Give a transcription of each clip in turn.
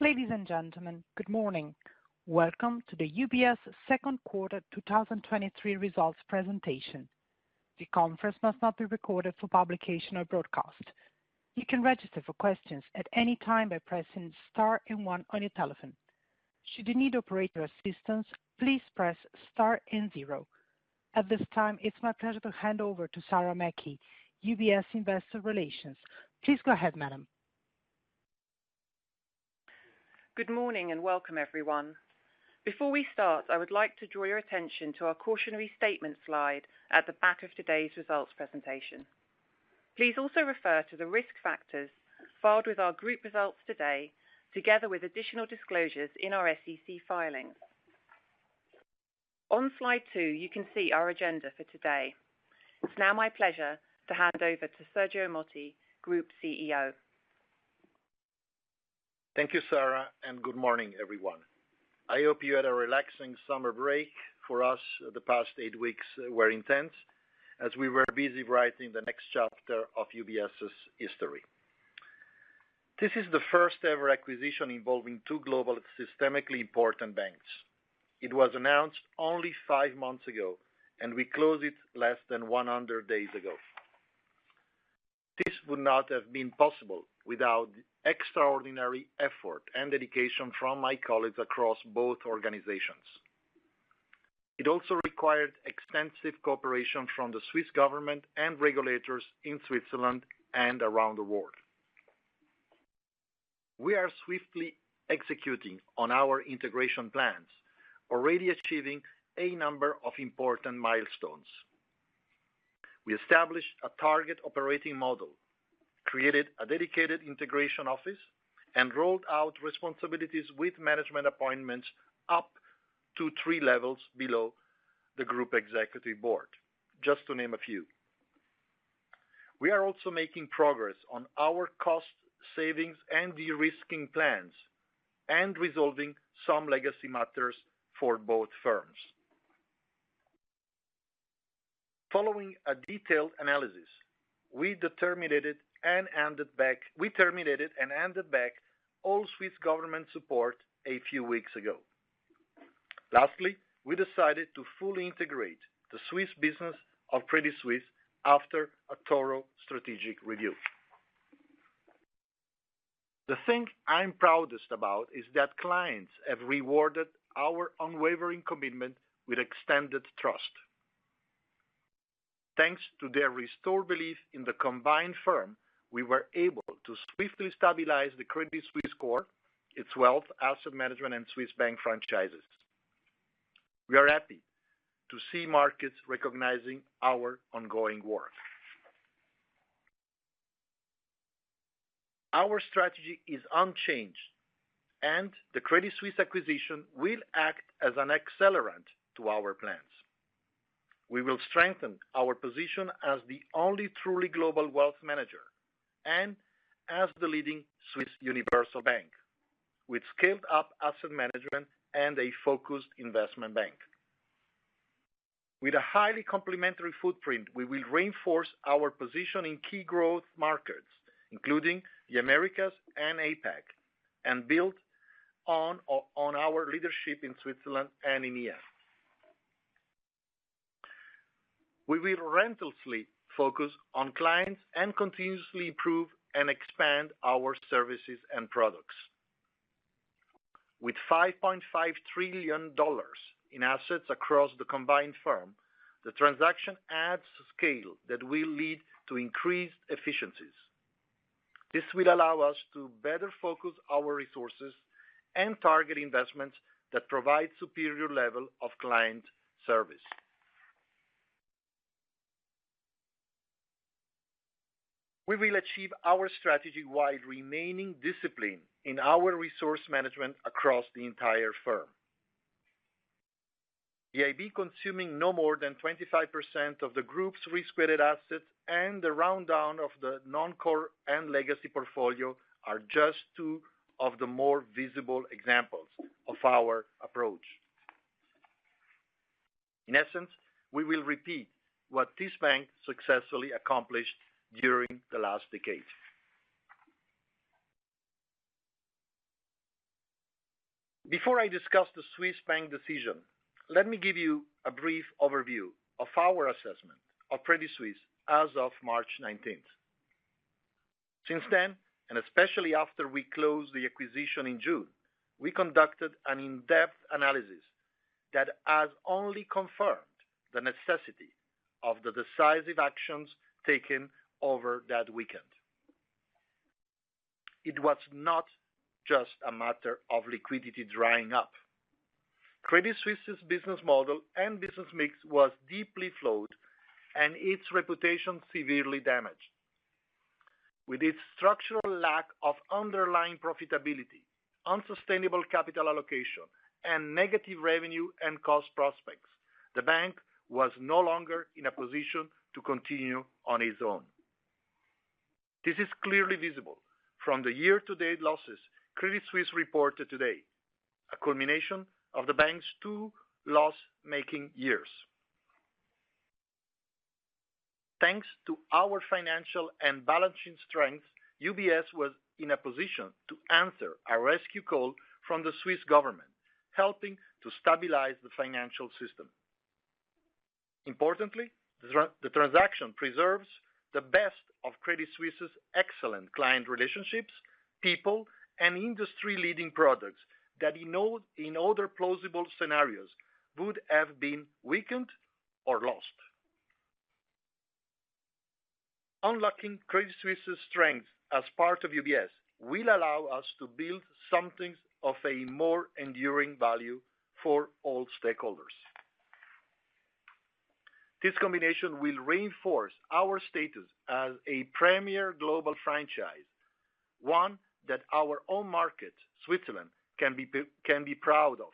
Ladies and gentlemen, good morning. Welcome to the UBS second quarter 2023 results presentation. The conference must not be recorded for publication or broadcast. You can register for questions at any time by pressing star and one on your telephone. Should you need operator assistance, please press star and zero. At this time, it's my pleasure to hand over to Sarah Mackey, UBS Investor Relations. Please go ahead, madam. Good morning, and welcome, everyone. Before we start, I would like to draw your attention to our cautionary statement slide at the back of today's results presentation. Please also refer to the risk factors filed with our group results today, together with additional disclosures in our SEC filings. On slide two, you can see our agenda for today. It's now my pleasure to hand over to Sergio Ermotti, Group CEO. Thank you, Sarah, and good morning, everyone. I hope you had a relaxing summer break. For us, the past 8 weeks were intense as we were busy writing the next chapter of UBS history. This is the first-ever acquisition involving two global systemically important banks. It was announced only 5 months ago, and we closed it less than 100 days ago. This would not have been possible without extraordinary effort and dedication from my colleagues across both organizations. It also required extensive cooperation from the Swiss government and regulators in Switzerland and around the world. We are swiftly executing on our integration plans, already achieving a number of important milestones. We established a target operating model, created a dedicated integration office, and rolled out responsibilities with management appointments up to 3 levels below the Group Executive Board, just to name a few. We are also making progress on our cost savings and de-risking plans and resolving some legacy matters for both firms. Following a detailed analysis, we terminated and wound back all Swiss government support a few weeks ago. Lastly, we decided to fully integrate the Swiss business of Credit Suisse after a thorough strategic review. The thing I'm proudest about is that clients have rewarded our unwavering commitment with extended trust. Thanks to their restored belief in the combined firm, we were able to swiftly stabilize the Credit Suisse core, its Wealth, Asset Management, and Swiss Bank franchises. We are happy to see markets recognizing our ongoing work. Our strategy is unchanged, and the Credit Suisse acquisition will act as an accelerant to our plans. We will strengthen our position as the only truly global wealth manager and as the leading Swiss universal bank, with scaled-up Asset Management and a focused Investment Bank. With a highly complementary footprint, we will reinforce our position in key growth markets, including the Americas and APAC, and build on our leadership in Switzerland and EMEA. We will relentlessly focus on clients and continuously improve and expand our services and products. With $5.5 trillion in assets across the combined firm, the transaction adds scale that will lead to increased efficiencies. This will allow us to better focus our resources and target investments that provide a superior level of client service. We will achieve our strategy while remaining disciplined in our resource management across the entire firm. The IB consuming no more than 25% of the group's risk-weighted assets and the rundown of the Non-Core and Legacy portfolio are just two of the more visible examples of our approach. In essence, we will repeat what this bank successfully accomplished during the last decade. Before I discuss the Swiss Bank decision, let me give you a brief overview of our assessment of Credit Suisse as of March 19. Since then, and especially after we closed the acquisition in June, we conducted an in-depth analysis that has only confirmed the necessity of the decisive actions taken over that weekend. It was not just a matter of liquidity drying up. Credit Suisse's business model and business mix was deeply flawed and its reputation severely damaged. With its structural lack of underlying profitability, unsustainable capital allocation, and negative revenue and cost prospects, the bank was no longer in a position to continue on its own. This is clearly visible from the year-to-date losses Credit Suisse reported today, a culmination of the bank's two loss-making years. Thanks to our financial and balance sheet strengths, UBS was in a position to answer a rescue call from the Swiss government, helping to stabilize the financial system. Importantly, the transaction preserves the best of Credit Suisse's excellent client relationships, people, and industry-leading products that in other plausible scenarios would have been weakened or lost. Unlocking Credit Suisse's strength as part of UBS will allow us to build something of a more enduring value for all stakeholders. This combination will reinforce our status as a premier global franchise, one that our own market, Switzerland, can be proud of.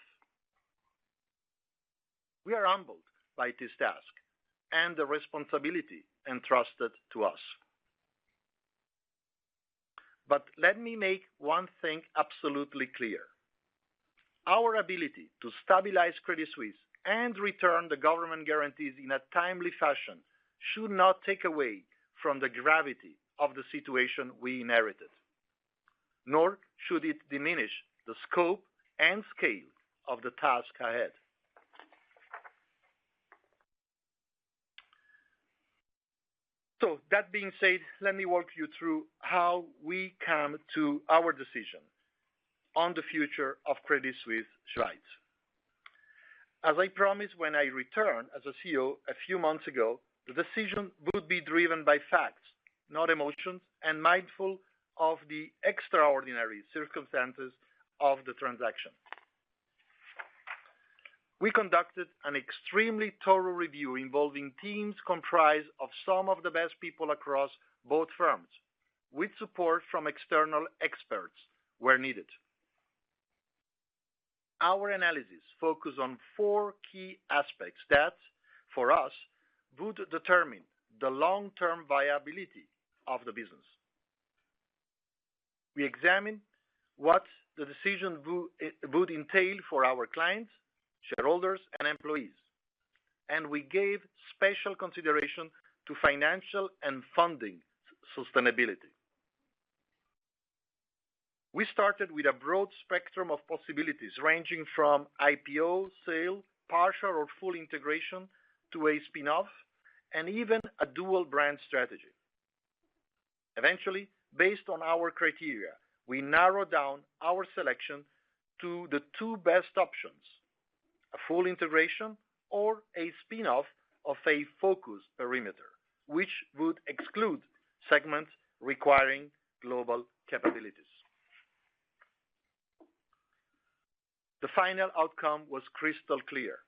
We are humbled by this task and the responsibility entrusted to us. But let me make one thing absolutely clear, our ability to stabilize Credit Suisse and return the government guarantees in a timely fashion, should not take away from the gravity of the situation we inherited, nor should it diminish the scope and scale of the task ahead. So that being said, let me walk you through how we come to our decision on the future of Credit Suisse Schweiz. As I promised when I returned as a CEO a few months ago, the decision would be driven by facts, not emotions, and mindful of the extraordinary circumstances of the transaction. We conducted an extremely thorough review involving teams comprised of some of the best people across both firms, with support from external experts where needed. Our analysis focused on four key aspects that, for us, would determine the long-term viability of the business. We examined what the decision would entail for our clients, shareholders, and employees, and we gave special consideration to financial and funding sustainability. We started with a broad spectrum of possibilities, ranging from IPO, sale, partial or full integration, to a spin-off, and even a dual brand strategy. Eventually, based on our criteria, we narrowed down our selection to the two best options, a full integration or a spin-off of a focused perimeter, which would exclude segments requiring global capabilities. The final outcome was crystal clear.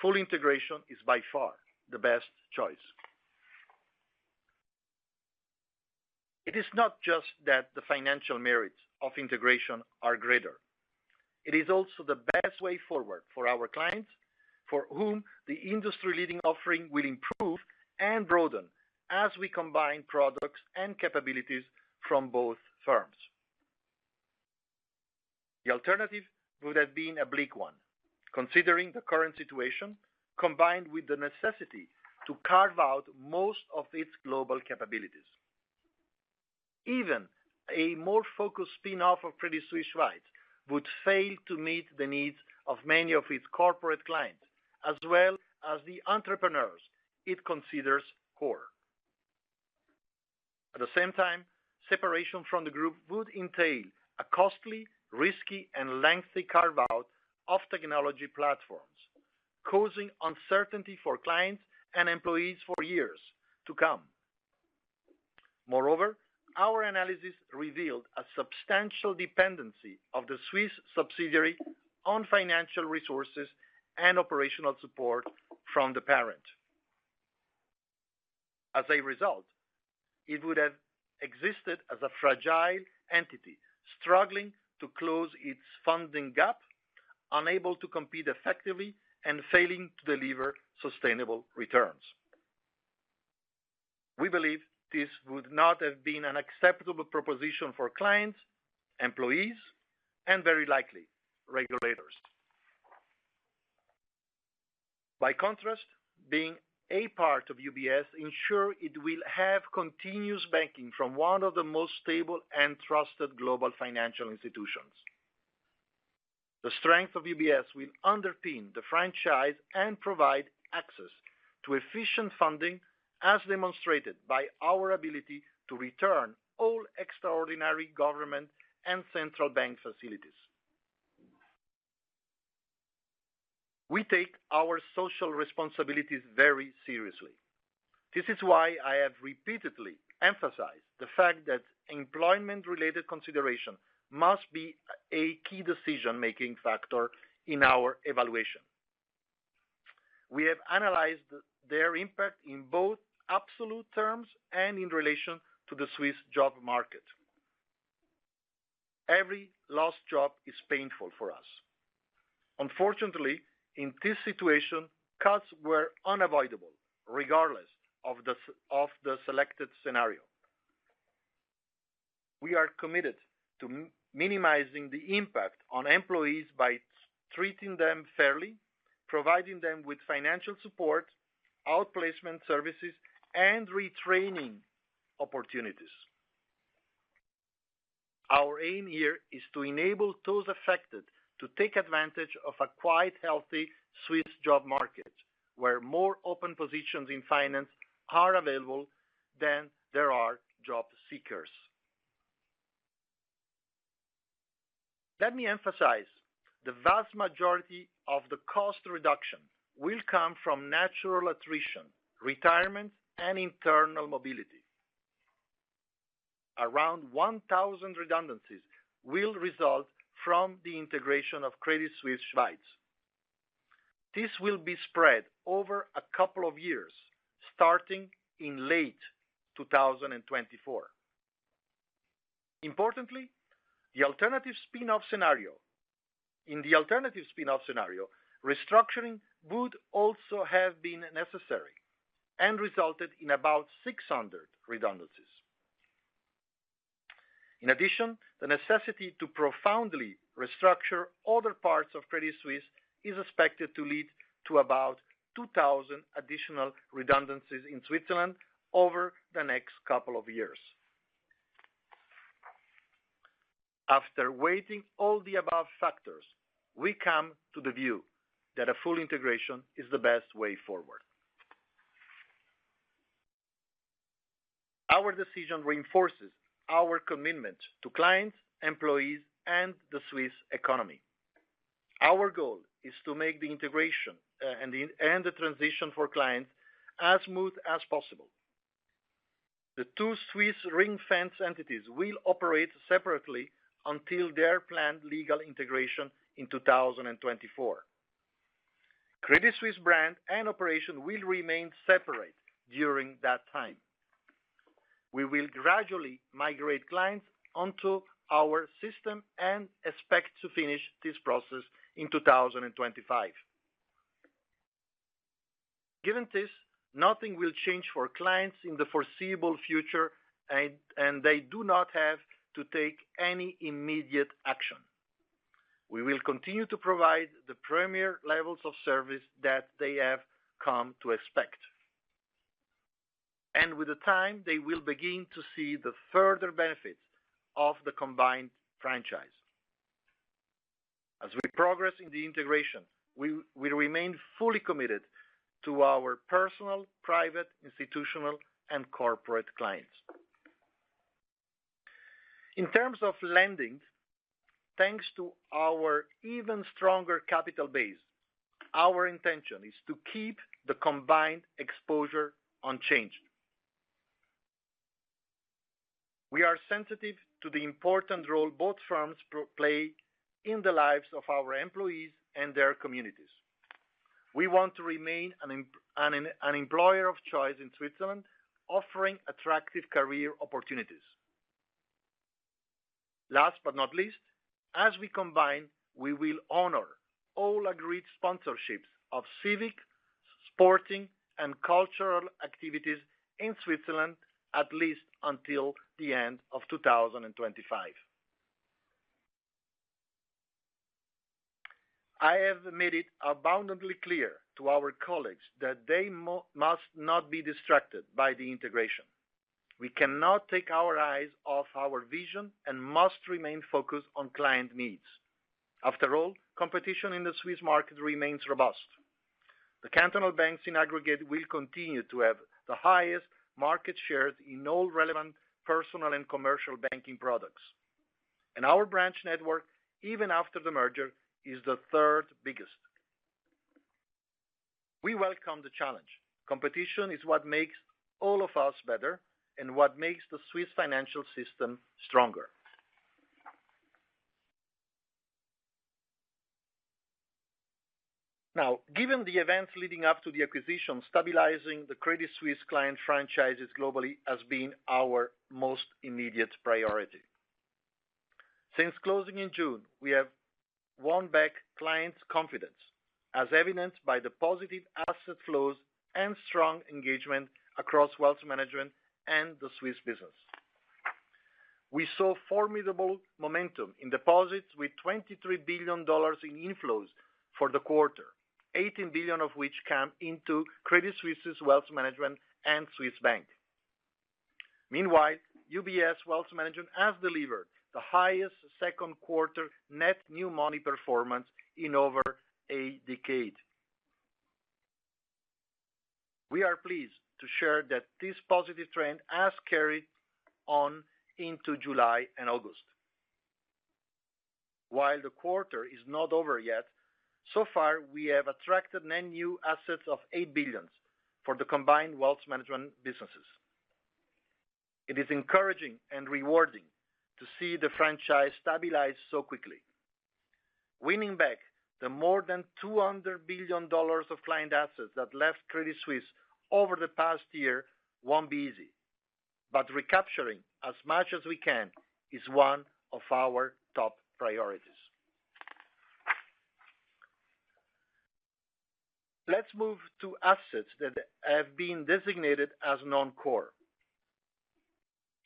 Full integration is by far the best choice. It is not just that the financial merits of integration are greater, it is also the best way forward for our clients, for whom the industry-leading offering will improve and broaden as we combine products and capabilities from both firms. The alternative would have been a bleak one, considering the current situation, combined with the necessity to carve out most of its global capabilities. Even a more focused spin-off of Credit Suisse Schweiz would fail to meet the needs of many of its corporate clients, as well as the entrepreneurs it considers core. At the same time, separation from the group would entail a costly, risky, and lengthy carve-out of technology platforms, causing uncertainty for clients and employees for years to come. Moreover, our analysis revealed a substantial dependency of the Swiss subsidiary on financial resources and operational support from the parent. As a result, it would have existed as a fragile entity, struggling to close its funding gap, unable to compete effectively, and failing to deliver sustainable returns. We believe this would not have been an acceptable proposition for clients, employees, and very likely, regulators. By contrast, being part of UBS ensure that it will have continuous banking from one of the most stable and trusted global financial institutions. The strength of UBS will underpin the franchise and provide access to efficient funding, as demonstrated by our ability to return all extraordinary government and central bank facilities. We take our social responsibilities very seriously. This is why I have repeatedly emphasized the fact that employment-related consideration must be a key decision-making factor in our evaluation. We have analyzed their impact in both absolute terms and in relation to the Swiss job market. Every lost job is painful for us. Unfortunately, in this situation, cuts were unavoidable, regardless of the selected scenario. We are committed to minimizing the impact on employees by treating them fairly, providing them with financial support, outplacement services, and retraining opportunities. Our aim here is to enable those affected to take advantage of a quite healthy Swiss job market, where more open positions in finance are available than there are job seekers. Let me emphasize, the vast majority of the cost reduction will come from natural attrition, retirement, and internal mobility. Around 1,000 redundancies will result from the integration of Credit Suisse Schweiz. This will be spread over a couple of years, starting in late 2024. Importantly, the alternative spin-off scenario. In the alternative spin-off scenario, restructuring would also have been necessary and resulted in about 600 redundancies. In addition, the necessity to profoundly restructure other parts of Credit Suisse is expected to lead to about 2,000 additional redundancies in Switzerland over the next couple of years. After weighing all the above factors, we come to the view that a full integration is the best way forward. Our decision reinforces our commitment to clients, employees, and the Swiss economy. Our goal is to make the integration and the transition for clients as smooth as possible. The two Swiss ring-fence entities will operate separately until their planned legal integration in 2024. Credit Suisse brand and operation will remain separate during that time. We will gradually migrate clients onto our system and expect to finish this process in 2025. Given this, nothing will change for clients in the foreseeable future, and they do not have to take any immediate action. We will continue to provide the premier levels of service that they have come to expect. With time, they will begin to see the further benefits of the combined franchise. As we progress in the integration, we remain fully committed to our personal, private, institutional, and corporate clients. In terms of lending, thanks to our even stronger capital base, our intention is to keep the combined exposure unchanged. We are sensitive to the important role both firms play in the lives of our employees and their communities. We want to remain an employer of choice in Switzerland, offering attractive career opportunities. Last but not least, as we combine, we will honor all agreed sponsorships of civic, sporting, and cultural activities in Switzerland, at least until the end of 2025. I have made it abundantly clear to our colleagues that they must not be distracted by the integration. We cannot take our eyes off our vision and must remain focused on client needs. After all, competition in the Swiss market remains robust. The cantonal banks, in aggregate, will continue to have the highest market shares in all relevant personal and commercial banking products. Our branch network, even after the merger, is the third biggest. We welcome the challenge. Competition is what makes all of us better and what makes the Swiss financial system stronger. Now, given the events leading up to the acquisition, stabilizing the Credit Suisse client franchises globally has been our most immediate priority. Since closing in June, we have won back clients' confidence, as evidenced by the positive asset flows and strong engagement across Wealth Management and the Swiss business. We saw formidable momentum in deposits with $23 billion in inflows for the quarter, $18 billion of which came into Credit Suisse's Wealth Management and Swiss Bank. Meanwhile, UBS Wealth Management has delivered the highest second quarter net new money performance in over a decade. We are pleased to share that this positive trend has carried on into July and August. While the quarter is not over yet, so far, we have attracted net new assets of $8 billion for the combined Wealth Management businesses. It is encouraging and rewarding to see the franchise stabilize so quickly. Winning back the more than $200 billion of client assets that left Credit Suisse over the past year won't be easy, but recapturing as much as we can is one of our top priorities. Let's move to assets that have been designated as Non-Core.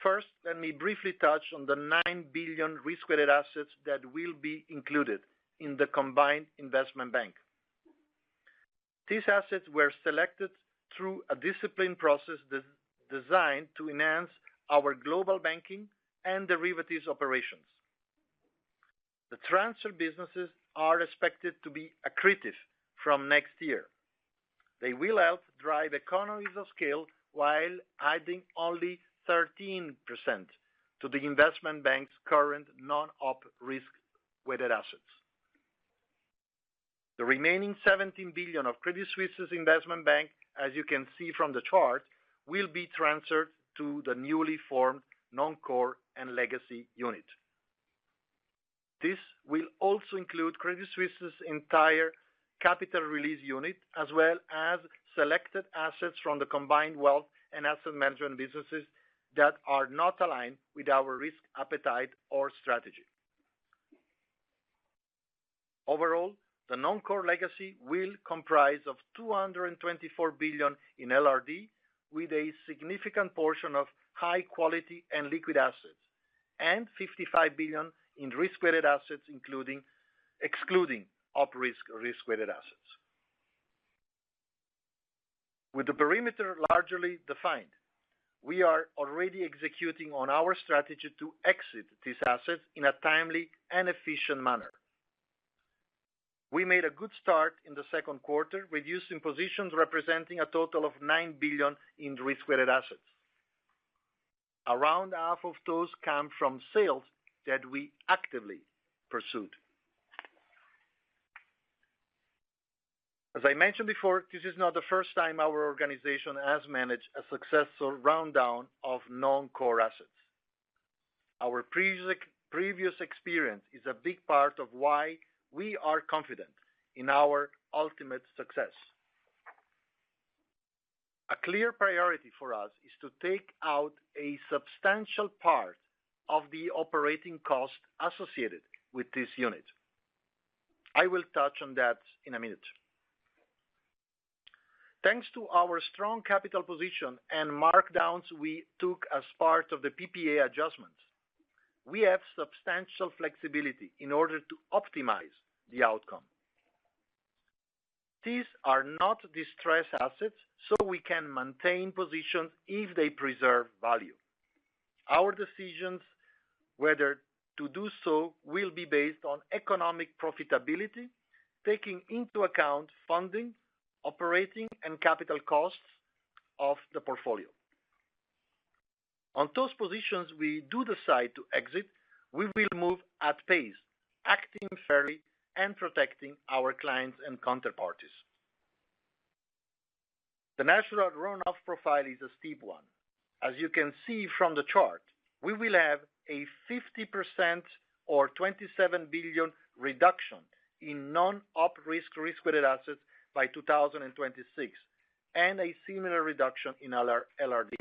First, let me briefly touch on the $9 billion risk-weighted assets that will be included in the combined Investment Bank. These assets were selected through a disciplined process designed to enhance our global banking and derivatives operations. The transfer businesses are expected to be accretive from next year. They will help drive economies of scale, while adding only 13% to the Investment Bank's current non-op risk-weighted assets. The remaining $17 billion of Credit Suisse's Investment Bank, as you can see from the chart, will be transferred to the newly formed Non-Core and Legacy unit. This will also include Credit Suisse's entire Capital Release Unit, as well as selected assets from the combined wealth and Asset Management businesses that are not aligned with our risk appetite, or strategy. Overall, the Non-Core and Legacy will comprise of $224 billion in LRD, with a significant portion of high quality and liquid assets, and $55 billion in risk-weighted assets, excluding op risk risk-weighted assets. With the perimeter largely defined, we are already executing on our strategy to exit these assets in a timely and efficient manner. We made a good start in the second quarter, reducing positions representing a total of $9 billion in risk-weighted assets. Around half of those come from sales that we actively pursued. As I mentioned before, this is not the first time our organization has managed a successful rundown of Non-Core assets. Our previous experience is a big part of why we are confident in our ultimate success. A clear priority for us is to take out a substantial part of the operating costs associated with this unit. I will touch on that in a minute. Thanks to our strong capital position and markdowns we took as part of the PPA adjustment, we have substantial flexibility in order to optimize the outcome. These are not distressed assets, so we can maintain positions if they preserve value. Our decisions, whether to do so, will be based on economic profitability, taking into account funding, operating, and capital costs of the portfolio. On those positions we do decide to exit, we will move at pace, acting fairly and protecting our clients and counterparties. The natural run-off profile is a steep one. As you can see from the chart, we will have a 50% or $27 billion reduction in non-op risk-weighted assets by 2026, and a similar reduction in LRD.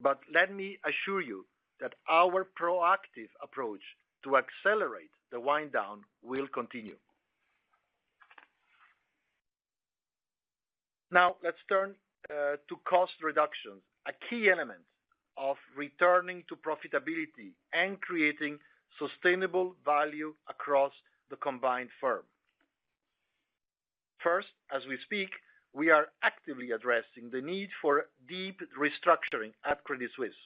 But let me assure you that our proactive approach to accelerate the wind down will continue. Now, let's turn to cost reductions, a key element of returning to profitability and creating sustainable value across the combined firm. First, as we speak, we are actively addressing the need for deep restructuring at Credit Suisse.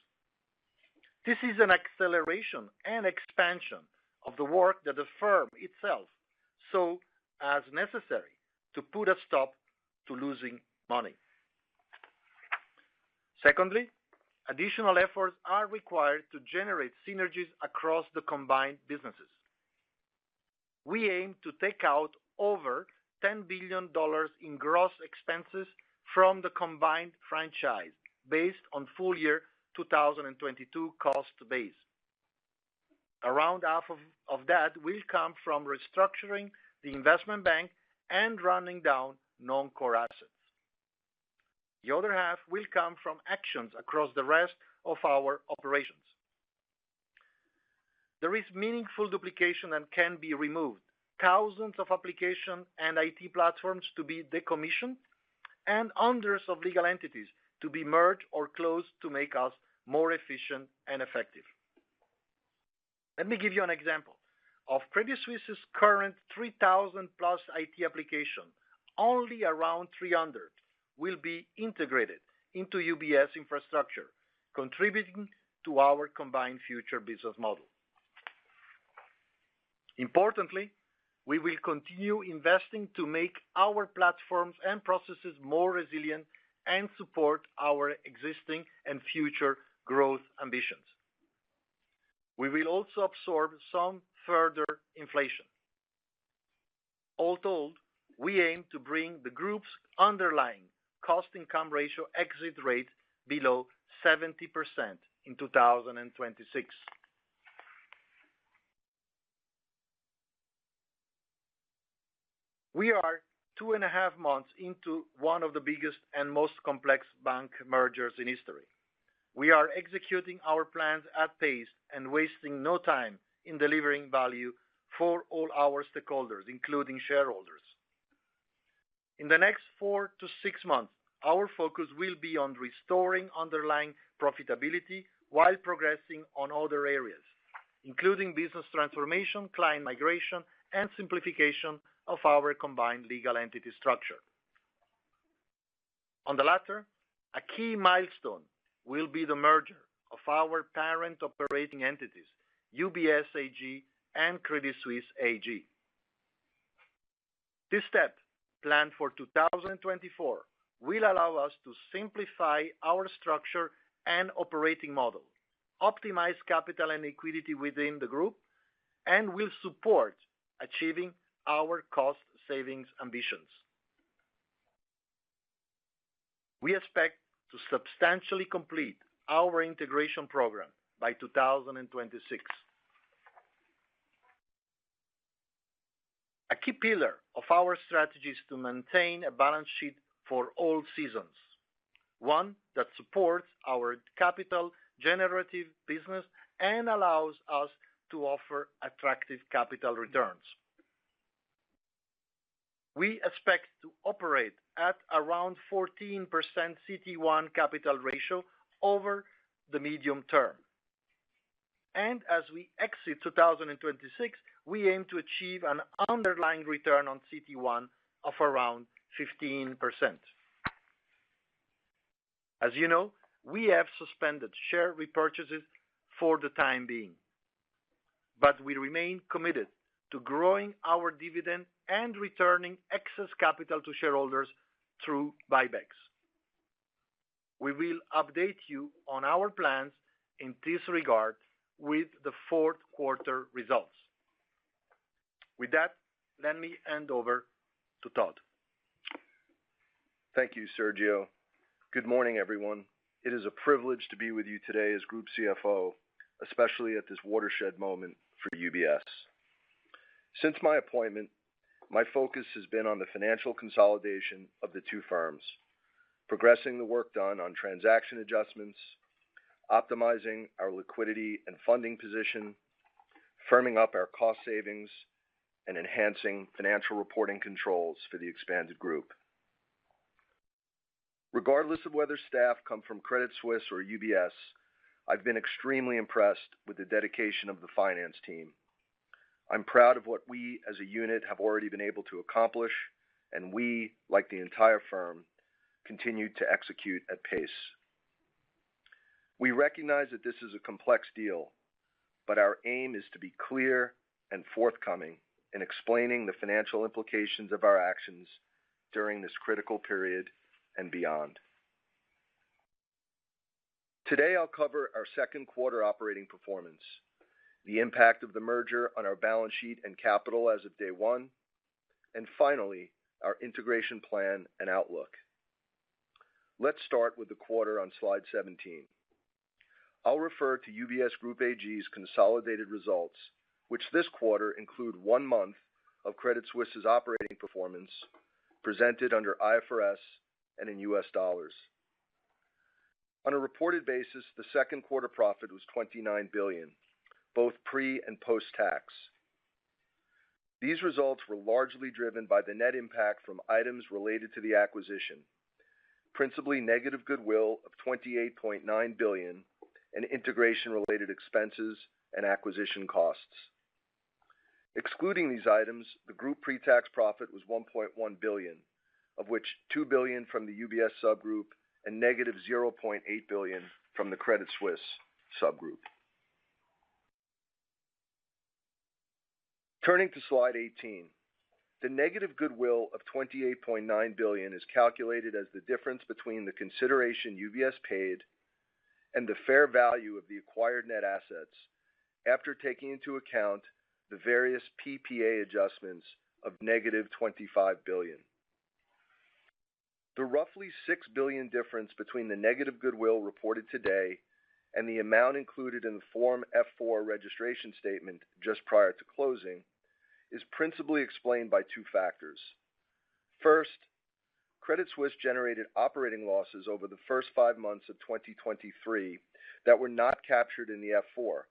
This is an acceleration and expansion of the work that the firm itself, so as necessary to put a stop to losing money. Secondly, additional efforts are required to generate synergies across the combined businesses. We aim to take out over $10 billion in gross expenses from the combined franchise, based on full year 2022 cost base. Around half of that will come from restructuring the Investment Bank and running down Non-Core assets. The other half will come from actions across the rest of our operations. There is meaningful duplication and can be removed, thousands of applications and IT platforms to be decommissioned, and hundreds of legal entities to be merged or closed to make us more efficient and effective. Let me give you an example. Of Credit Suisse's current 3,000+ IT applications, only around 300 will be integrated into UBS infrastructure, contributing to our combined future business model. Importantly, we will continue investing to make our platforms and processes more resilient and support our existing and future growth ambitions. We will also absorb some further inflation. All told, we aim to bring the group's underlying cost-income ratio exit rate below 70% in 2026. We are two and a half months into one of the biggest and most complex bank mergers in history... We are executing our plans at pace and wasting no time in delivering value for all our stakeholders, including shareholders. In the next 4-6 months, our focus will be on restoring underlying profitability while progressing on other areas, including business transformation, client migration, and simplification of our combined legal entity structure. On the latter, a key milestone will be the merger of our parent operating entities, UBS AG and Credit Suisse AG. This step, planned for 2024, will allow us to simplify our structure and operating model, optimize capital and liquidity within the group, and will support achieving our cost savings ambitions. We expect to substantially complete our integration program by 2026. A key pillar of our strategy is to maintain a balance sheet for all seasons, one that supports our capital generative business and allows us to offer attractive capital returns. We expect to operate at around 14% CET1 capital ratio over the medium term. As we exit 2026, we aim to achieve an underlying return on CET1 of around 15%. As you know, we have suspended share repurchases for the time being, but we remain committed to growing our dividend and returning excess capital to shareholders through buybacks. We will update you on our plans in this regard with the fourth quarter results. With that, let me hand over to Todd. Thank you, Sergio. Good morning, everyone. It is a privilege to be with you today as Group CFO, especially at this watershed moment for UBS. Since my appointment, my focus has been on the financial consolidation of the two firms, progressing the work done on transaction adjustments, optimizing our liquidity and funding position, firming up our cost savings, and enhancing financial reporting controls for the expanded group. Regardless of whether staff come from Credit Suisse or UBS, I've been extremely impressed with the dedication of the finance team. I'm proud of what we, as a unit, have already been able to accomplish, and we, like the entire firm, continue to execute at pace. We recognize that this is a complex deal, but our aim is to be clear and forthcoming in explaining the financial implications of our actions during this critical period and beyond. Today, I'll cover our second quarter operating performance, the impact of the merger on our balance sheet and capital as of day one, and finally, our integration plan and outlook. Let's start with the quarter on slide 17. I'll refer to UBS Group AG's consolidated results, which this quarter include one month of Credit Suisse's operating performance, presented under IFRS and in US dollars. On a reported basis, the second quarter profit was $29 billion, both pre- and post-tax. These results were largely driven by the net impact from items related to the acquisition, principally negative goodwill of $28.9 billion and integration-related expenses and acquisition costs. Excluding these items, the group pretax profit was $1.1 billion, of which $2 billion from the UBS subgroup and negative $0.8 billion from the Credit Suisse subgroup. Turning to slide 18, the negative goodwill of $28.9 billion is calculated as the difference between the consideration UBS paid and the fair value of the acquired net assets, after taking into account the various PPA adjustments of negative $25 billion. The roughly $6 billion difference between the negative goodwill reported today and the amount included in the Form F-4 registration statement just prior to closing, is principally explained by two factors. First, Credit Suisse generated operating losses over the first five months of 2023 that were not captured in the F-4,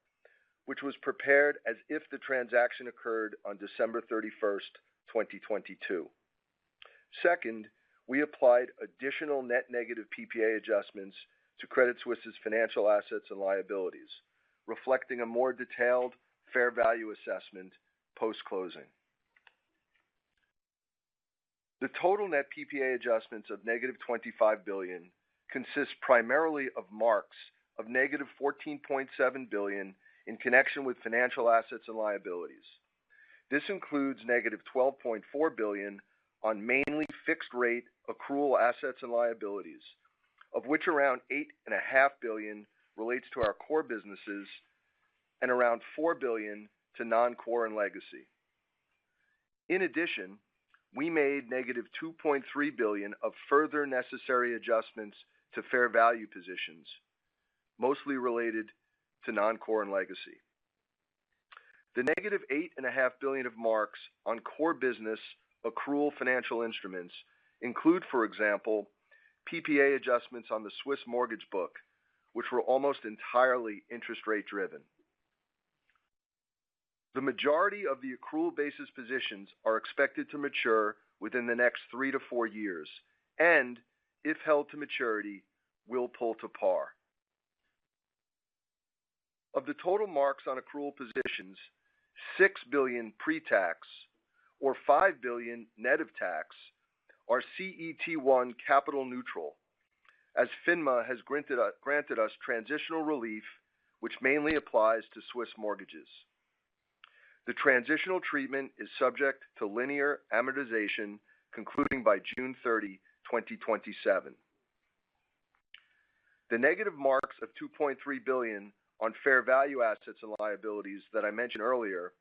which was prepared as if the transaction occurred on December 31, 2022. Second, we applied additional net negative PPA adjustments to Credit Suisse's financial assets and liabilities, reflecting a more detailed fair value assessment post-closing. The total net PPA adjustments of -$25 billion consists primarily of marks of -$14.7 billion in connection with financial assets and liabilities. This includes -$12.4 billion on mainly fixed-rate accrual assets and liabilities, of which around $8.5 billion relates to our core businesses and around $4 billion to Non-Core and Legacy. In addition, we made -$2.3 billion of further necessary adjustments to fair value positions, mostly related to Non-Core and Legacy. The -$8.5 billion of marks on core business accrual financial instruments include, for example, PPA adjustments on the Swiss mortgage book, which were almost entirely interest rate driven. The majority of the accrual basis positions are expected to mature within the next 3-4 years, and if held to maturity, will pull to par. Of the total marks on accrual positions, $6 billion pre-tax, or $5 billion net of tax, are CET1 capital neutral, as FINMA has granted us transitional relief, which mainly applies to Swiss mortgages. The transitional treatment is subject to linear amortization, concluding by June 30, 2027. The negative marks of $2.3 billion on fair value assets and liabilities that I mentioned earlier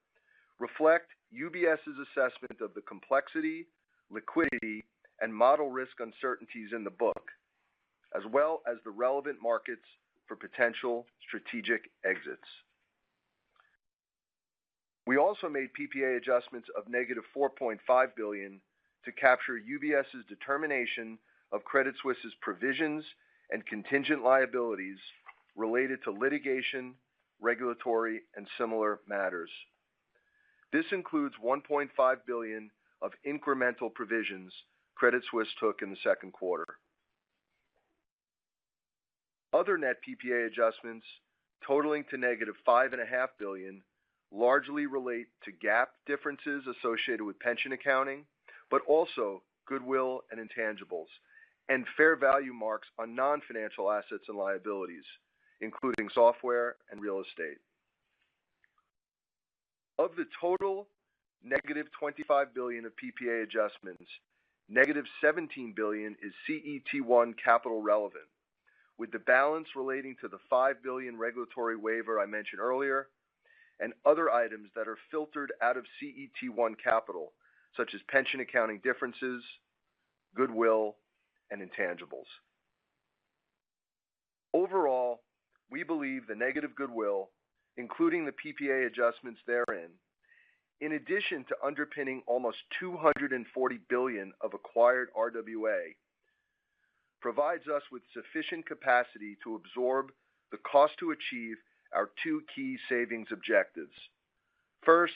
reflect UBS's assessment of the complexity, liquidity, and model risk uncertainties in the book, as well as the relevant markets for potential strategic exits. We also made PPA adjustments of negative $4.5 billion to capture UBS's determination of Credit Suisse's provisions and contingent liabilities related to litigation, regulatory, and similar matters. This includes $1.5 billion of incremental provisions Credit Suisse took in the second quarter. Other net PPA adjustments totaling -$5.5 billion, largely relate to GAAP differences associated with pension accounting, but also goodwill and intangibles, and fair value marks on non-financial assets and liabilities, including software and real estate. Of the total -$25 billion of PPA adjustments, -$17 billion is CET1 capital relevant, with the balance relating to the $5 billion regulatory waiver I mentioned earlier, and other items that are filtered out of CET1 capital, such as pension accounting differences, goodwill, and intangibles. Overall, we believe the negative goodwill, including the PPA adjustments therein, in addition to underpinning almost 240 billion of acquired RWA, provides us with sufficient capacity to absorb the cost to achieve our two key savings objectives. First,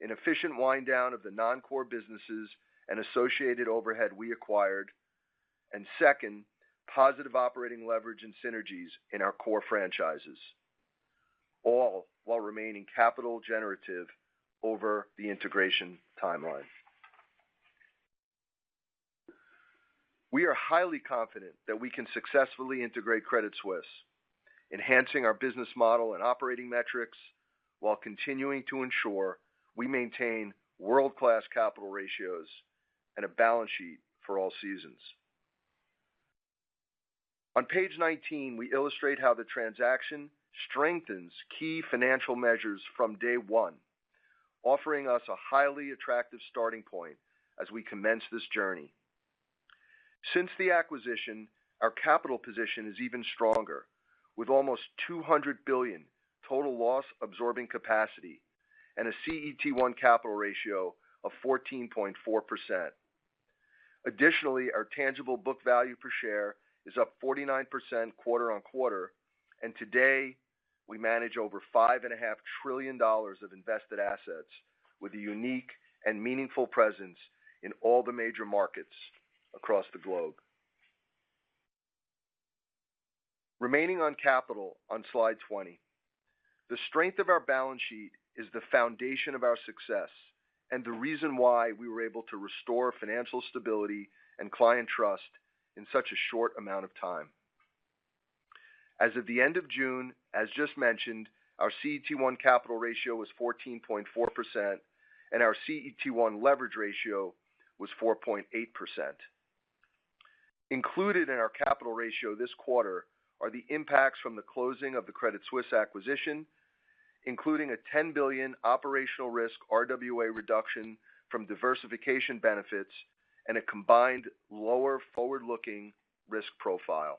an efficient wind down of the Non-Core businesses and associated overhead we acquired. And second, positive operating leverage and synergies in our core franchises, all while remaining capital generative over the integration timeline. We are highly confident that we can successfully integrate Credit Suisse, enhancing our business model and operating metrics, while continuing to ensure we maintain world-class capital ratios and a balance sheet for all seasons. On page 19, we illustrate how the transaction strengthens key financial measures from day one, offering us a highly attractive starting point as we commence this journey. Since the acquisition, our capital position is even stronger, with almost $200 billion Total Loss-Absorbing Capacity and a CET1 capital ratio of 14.4%. Additionally, our tangible book value per share is up 49% quarter-on-quarter, and today, we manage over $5.5 trillion of invested assets with a unique and meaningful presence in all the major markets across the globe. Remaining on capital on slide 20. The strength of our balance sheet is the foundation of our success and the reason why we were able to restore financial stability and client trust in such a short amount of time. As of the end of June, as just mentioned, our CET1 capital ratio was 14.4%, and our CET1 leverage ratio was 4.8%. Included in our capital ratio this quarter are the impacts from the closing of the Credit Suisse acquisition, including a 10 billion operational risk RWA reduction from diversification benefits and a combined lower forward-looking risk profile.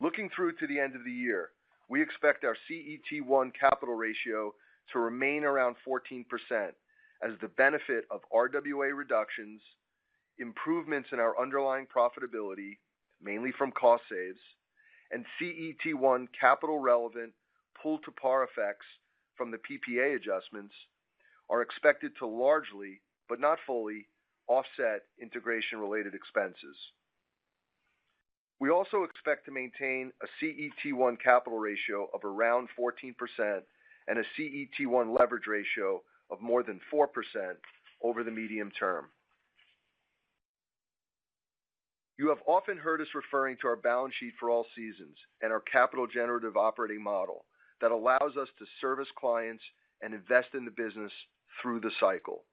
Looking through to the end of the year, we expect our CET1 capital ratio to remain around 14% as the benefit of RWA reductions, improvements in our underlying profitability, mainly from cost savings, and CET1 capital relevant pull-to-par effects from the PPA adjustments, are expected to largely, but not fully, offset integration-related expenses. We also expect to maintain a CET1 capital ratio of around 14% and a CET1 leverage ratio of more than 4% over the medium term. You have often heard us referring to our balance sheet for all seasons and our capital generative operating model that allows us to service clients and invest in the business through the cycle.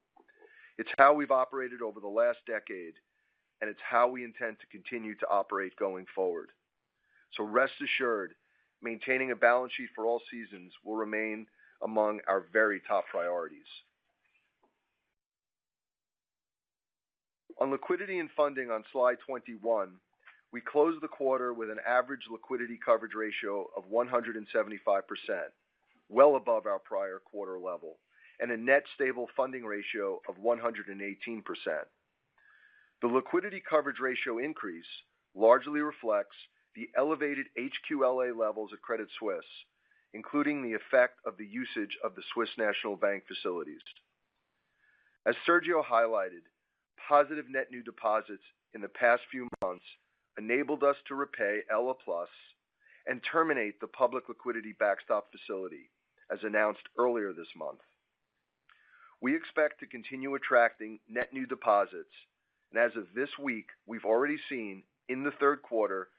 It's how we've operated over the last decade, and it's how we intend to continue to operate going forward. So rest assured, maintaining a balance sheet for all seasons will remain among our very top priorities. On liquidity and funding on slide 21, we closed the quarter with an average liquidity coverage ratio of 175%, well above our prior quarter level, and a net stable funding ratio of 118%. The liquidity coverage ratio increase largely reflects the elevated HQLA levels of Credit Suisse, including the effect of the usage of the Swiss National Bank facilities. As Sergio highlighted, positive net new deposits in the past few months enabled us to repay ELA+ and terminate the Public Liquidity Backstop facility, as announced earlier this month. We expect to continue attracting net new deposits, and as of this week, we've already seen in the third quarter,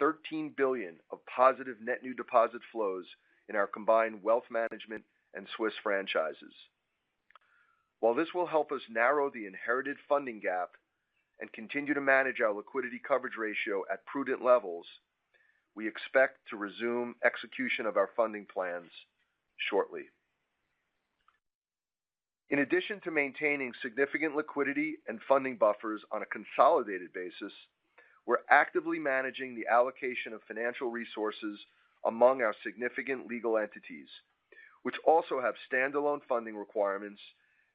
$13 billion of positive net new deposit flows in our combined Wealth Management and Swiss franchises. While this will help us narrow the inherited funding gap and continue to manage our liquidity coverage ratio at prudent levels, we expect to resume execution of our funding plans shortly. In addition to maintaining significant liquidity and funding buffers on a consolidated basis, we're actively managing the allocation of financial resources among our significant legal entities, which also have standalone funding requirements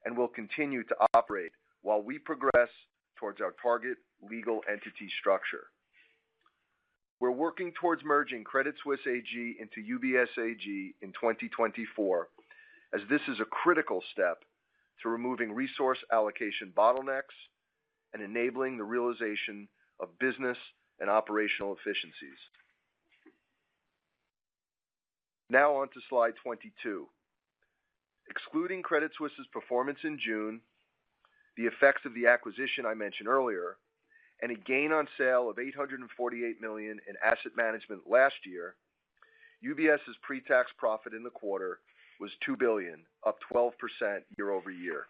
and will continue to operate while we progress towards our target legal entity structure. We're working towards merging Credit Suisse AG into UBS AG in 2024, as this is a critical step to removing resource allocation bottlenecks and enabling the realization of business and operational efficiencies. Now on to slide 22. Excluding Credit Suisse's performance in June, the effects of the acquisition I mentioned earlier, and a gain on sale of $848 million in Asset Management last year, UBS's pretax profit in the quarter was $2 billion, up 12% year-over-year.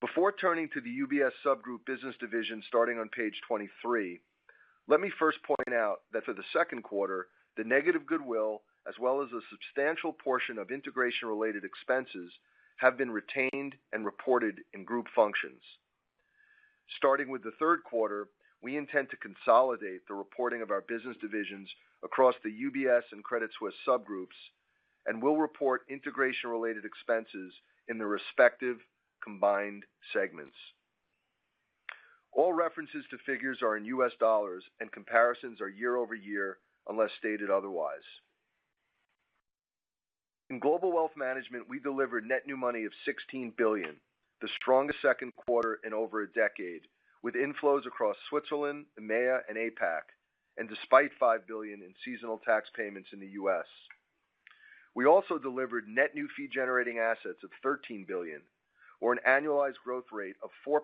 Before turning to the UBS subgroup business division, starting on page 23, let me first point out that for the second quarter, the negative goodwill, as well as a substantial portion of integration-related expenses, have been retained and reported in group functions. Starting with the third quarter, we intend to consolidate the reporting of our business divisions across the UBS and Credit Suisse subgroups, and we'll report integration-related expenses in the respective combined segments. All references to figures are in US dollars, and comparisons are year-over-year, unless stated otherwise. In Global Wealth Management, we delivered net new money of $16 billion, the strongest second quarter in over a decade, with inflows across Switzerland, EMEA, and APAC, and despite $5 billion in seasonal tax payments in the US. We also delivered net new fee-generating assets of $13 billion, or an annualized growth rate of 4%,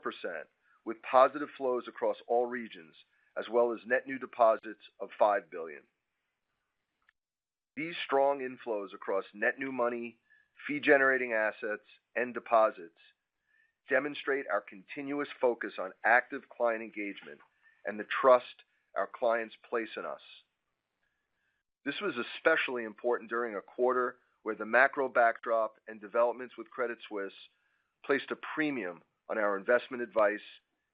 with positive flows across all regions, as well as net new deposits of $5 billion. These strong inflows across net new money, fee-generating assets, and deposits demonstrate our continuous focus on active client engagement and the trust our clients place in us. This was especially important during a quarter where the macro backdrop and developments with Credit Suisse placed a premium on our investment advice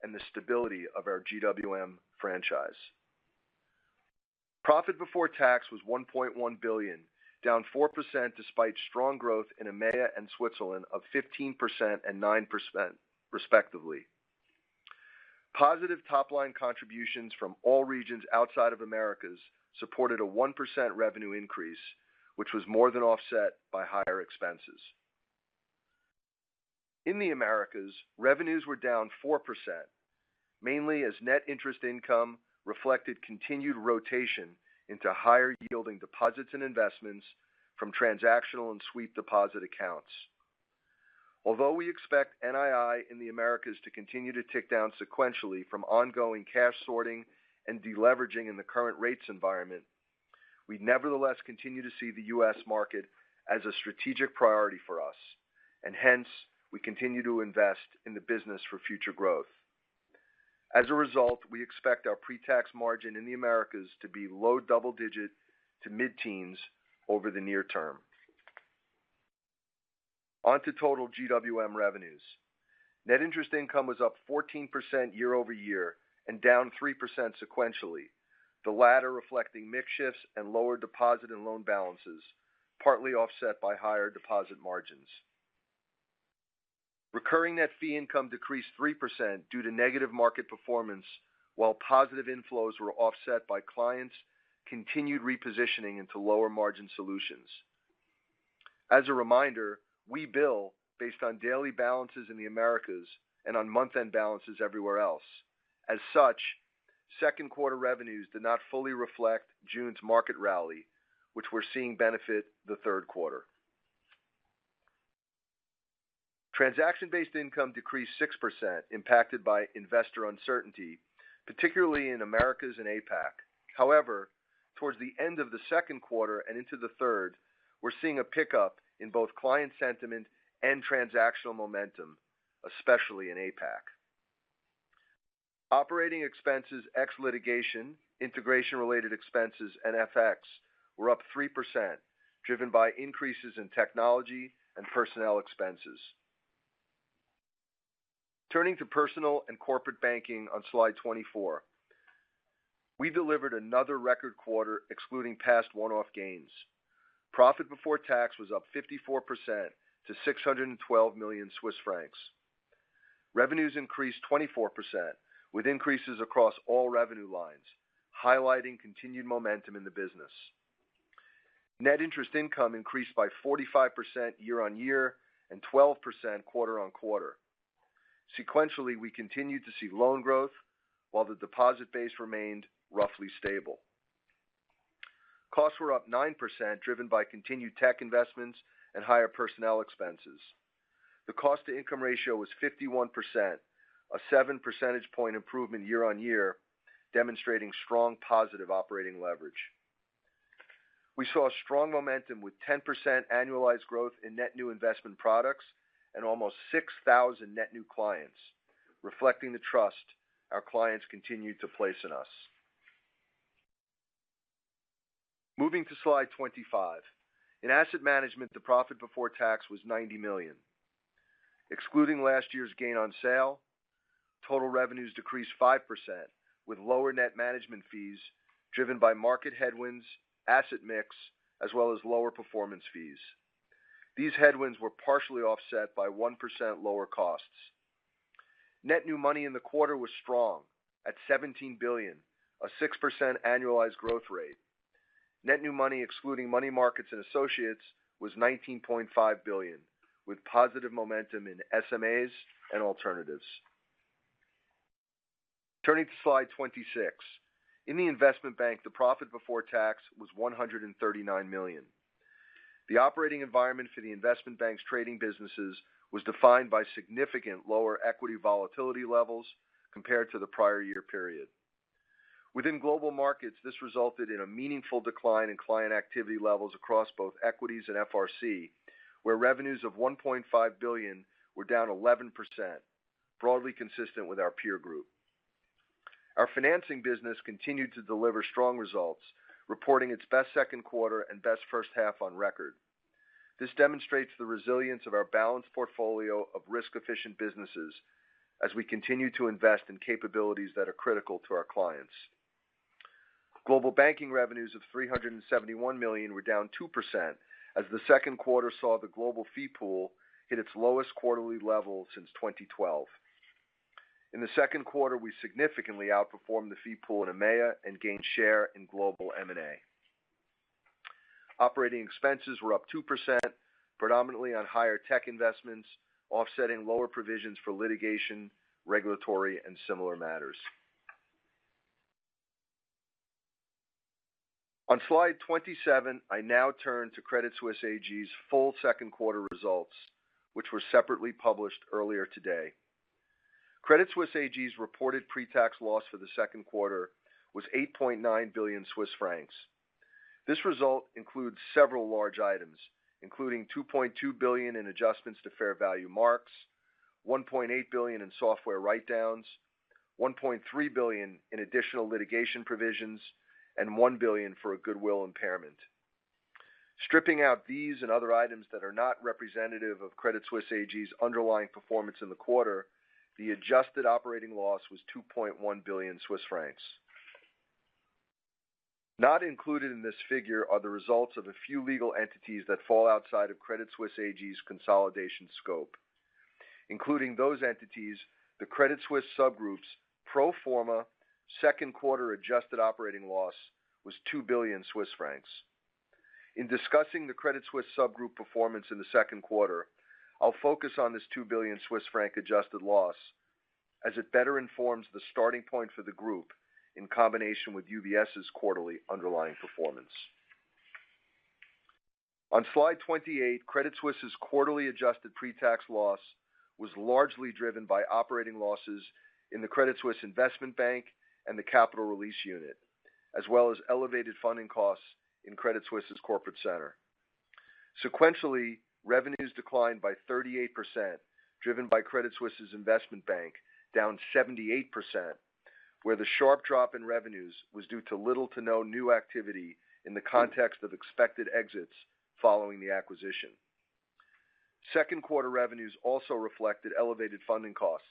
and the stability of our GWM franchise. Profit before tax was $1.1 billion, down 4%, despite strong growth in EMEA and Switzerland of 15% and 9%, respectively. Positive top-line contributions from all regions outside of Americas supported a 1% revenue increase, which was more than offset by higher expenses. In the Americas, revenues were down 4%, mainly as net interest income reflected continued rotation into higher-yielding deposits and investments from transactional and sweep deposit accounts. Although we expect NII in the Americas to continue to tick down sequentially from ongoing cash sorting and deleveraging in the current rates environment, we nevertheless continue to see the US market as a strategic priority for us, and hence we continue to invest in the business for future growth. As a result, we expect our pretax margin in the Americas to be low double digit to mid-teens over the near term. On to total GWM revenues. Net interest income was up 14% year-over-year and down 3% sequentially, the latter reflecting mix shifts and lower deposit and loan balances, partly offset by higher deposit margins. Recurring net fee income decreased 3% due to negative market performance, while positive inflows were offset by clients' continued repositioning into lower-margin solutions. As a reminder, we bill based on daily balances in the Americas and on month-end balances everywhere else. As such, second quarter revenues did not fully reflect June's market rally, which we're seeing benefit the third quarter. Transaction-based income decreased 6%, impacted by investor uncertainty, particularly in Americas and APAC. However, towards the end of the second quarter and into the third, we're seeing a pickup in both client sentiment and transactional momentum, especially in APAC.... Operating expenses, ex litigation, integration-related expenses, and FX were up 3%, driven by increases in technology and personnel expenses. Turning to Personal and Corporate Banking on slide 24. We delivered another record quarter, excluding past one-off gains. Profit before tax was up 54% to 612 million Swiss francs. Revenues increased 24%, with increases across all revenue lines, highlighting continued momentum in the business. Net interest income increased by 45% year-on-year and 12% quarter-on-quarter. Sequentially, we continued to see loan growth, while the deposit base remained roughly stable. Costs were up 9%, driven by continued tech investments and higher personnel expenses. The cost-to-income ratio was 51%, a 7 percentage point improvement year-on-year, demonstrating strong positive operating leverage. We saw strong momentum with 10% annualized growth in net new investment products and almost 6,000 net new clients, reflecting the trust our clients continued to place in us. Moving to slide 25. In Asset Management, the profit before tax was $90 million. Excluding last year's gain on sale, total revenues decreased 5%, with lower net management fees, driven by market headwinds, asset mix, as well as lower performance fees. These headwinds were partially offset by 1% lower costs. Net new money in the quarter was strong at $17 billion, a 6% annualized growth rate. Net new money, excluding money markets and associates, was $19.5 billion, with positive momentum in SMAs and alternatives. Turning to slide 26. In the Investment Bank, the profit before tax was $139 million. The operating environment for the Investment Bank's trading businesses was defined by significant lower equity volatility levels compared to the prior year period. Within Global Markets, this resulted in a meaningful decline in client activity levels across both Equities and FRC, where revenues of $1.5 billion were down 11%, broadly consistent with our peer group. Our financing business continued to deliver strong results, reporting its best second quarter and best first half on record. This demonstrates the resilience of our balanced portfolio of risk-efficient businesses as we continue to invest in capabilities that are critical to our clients. Global Banking revenues of $371 million were down 2% as the second quarter saw the global fee pool hit its lowest quarterly level since 2012. In the second quarter, we significantly outperformed the fee pool in EMEA and gained share in global M&A. Operating expenses were up 2%, predominantly on higher tech investments, offsetting lower provisions for litigation, regulatory, and similar matters. On slide 27, I now turn to Credit Suisse AG's full second quarter results, which were separately published earlier today. Credit Suisse AG's reported pretax loss for the second quarter was 8.9 billion Swiss francs. This result includes several large items, including 2.2 billion in adjustments to fair value marks, 1.8 billion in software write-downs, 1.3 billion in additional litigation provisions, and 1 billion for a goodwill impairment. Stripping out these and other items that are not representative of Credit Suisse AG's underlying performance in the quarter, the adjusted operating loss was 2.1 billion Swiss francs. Not included in this figure are the results of a few legal entities that fall outside of Credit Suisse AG's consolidation scope. Including those entities, the Credit Suisse subgroup's pro forma second quarter adjusted operating loss was 2 billion Swiss francs. In discussing the Credit Suisse subgroup performance in the second quarter, I'll focus on this 2 billion Swiss franc adjusted loss as it better informs the starting point for the group in combination with UBS's quarterly underlying performance. On slide 28, Credit Suisse's quarterly adjusted pretax loss was largely driven by operating losses in the Credit Suisse Investment Bank and the Capital Release Unit, as well as elevated funding costs in Credit Suisse's Corporate Center. Sequentially, revenues declined by 38%, driven by Credit Suisse's Investment Bank, down 78%, where the sharp drop in revenues was due to little to no new activity in the context of expected exits following the acquisition. Second quarter revenues also reflected elevated funding costs,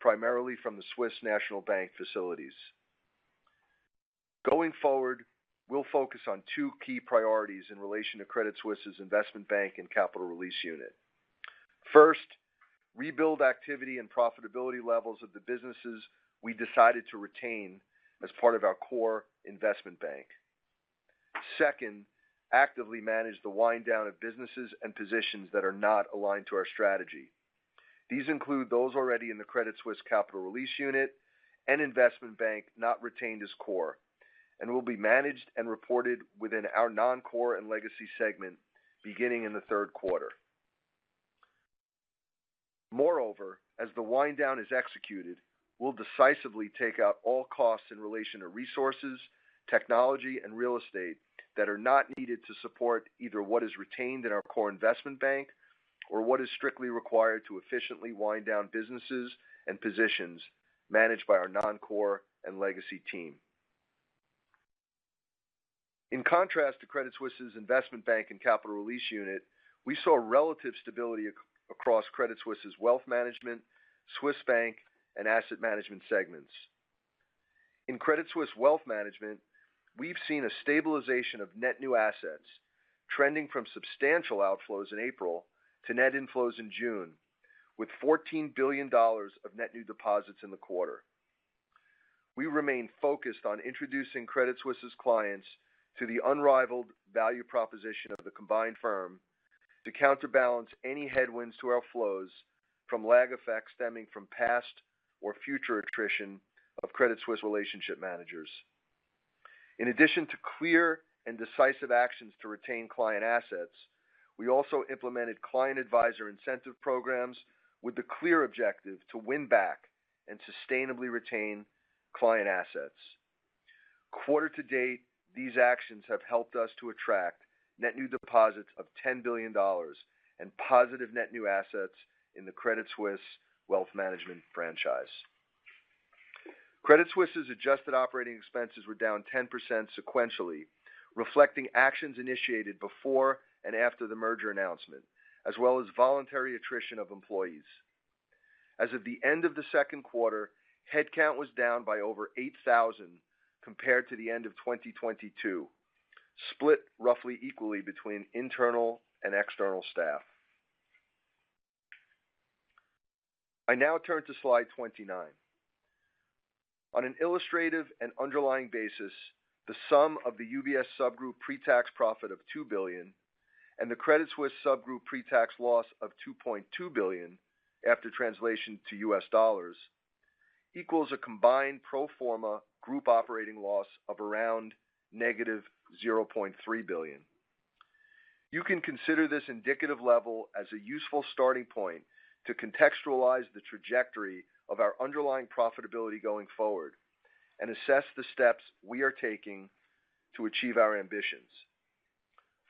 primarily from the Swiss National Bank facilities. Going forward, we'll focus on two key priorities in relation to Credit Suisse's Investment Bank and Capital Release Unit. First, rebuild activity and profitability levels of the businesses we decided to retain as part of our core Investment Bank. Second, actively manage the wind down of businesses and positions that are not aligned to our strategy. These include those already in the Credit Suisse Capital Release Unit and Investment Bank, not retained as core, and will be managed and reported within our Non-Core and Legacy segment beginning in the third quarter. Moreover, as the wind down is executed, we'll decisively take out all costs in relation to resources, technology, and real estate that are not needed to support either what is retained in our core Investment Bank... or what is strictly required to efficiently wind down businesses and positions managed by our Non-Core and Legacy team. In contrast to Credit Suisse's Investment Bank and Capital Release Unit, we saw relative stability across Credit Suisse's Wealth Management, Swiss Bank, and Asset Management segments. In Credit Suisse Wealth Management, we've seen a stabilization of net new assets, trending from substantial outflows in April to net inflows in June, with $14 billion of net new deposits in the quarter. We remain focused on introducing Credit Suisse's clients to the unrivaled value proposition of the combined firm, to counterbalance any headwinds to our flows from lag effects stemming from past or future attrition of Credit Suisse relationship managers. In addition to clear and decisive actions to retain client assets, we also implemented client advisor incentive programs with the clear objective to win back and sustainably retain client assets. Quarter to date, these actions have helped us to attract net new deposits of $10 billion and positive net new assets in the Credit Suisse Wealth Management franchise. Credit Suisse's adjusted operating expenses were down 10% sequentially, reflecting actions initiated before and after the merger announcement, as well as voluntary attrition of employees. As of the end of the second quarter, headcount was down by over 8,000 compared to the end of 2022, split roughly equally between internal and external staff. I now turn to slide 29. On an illustrative and underlying basis, the sum of the UBS sub-group pretax profit of $2 billion and the Credit Suisse sub-group pretax loss of $2.2 billion, after translation to US dollars, equals a combined pro forma group operating loss of around -$0.3 billion. You can consider this indicative level as a useful starting point to contextualize the trajectory of our underlying profitability going forward, and assess the steps we are taking to achieve our ambitions.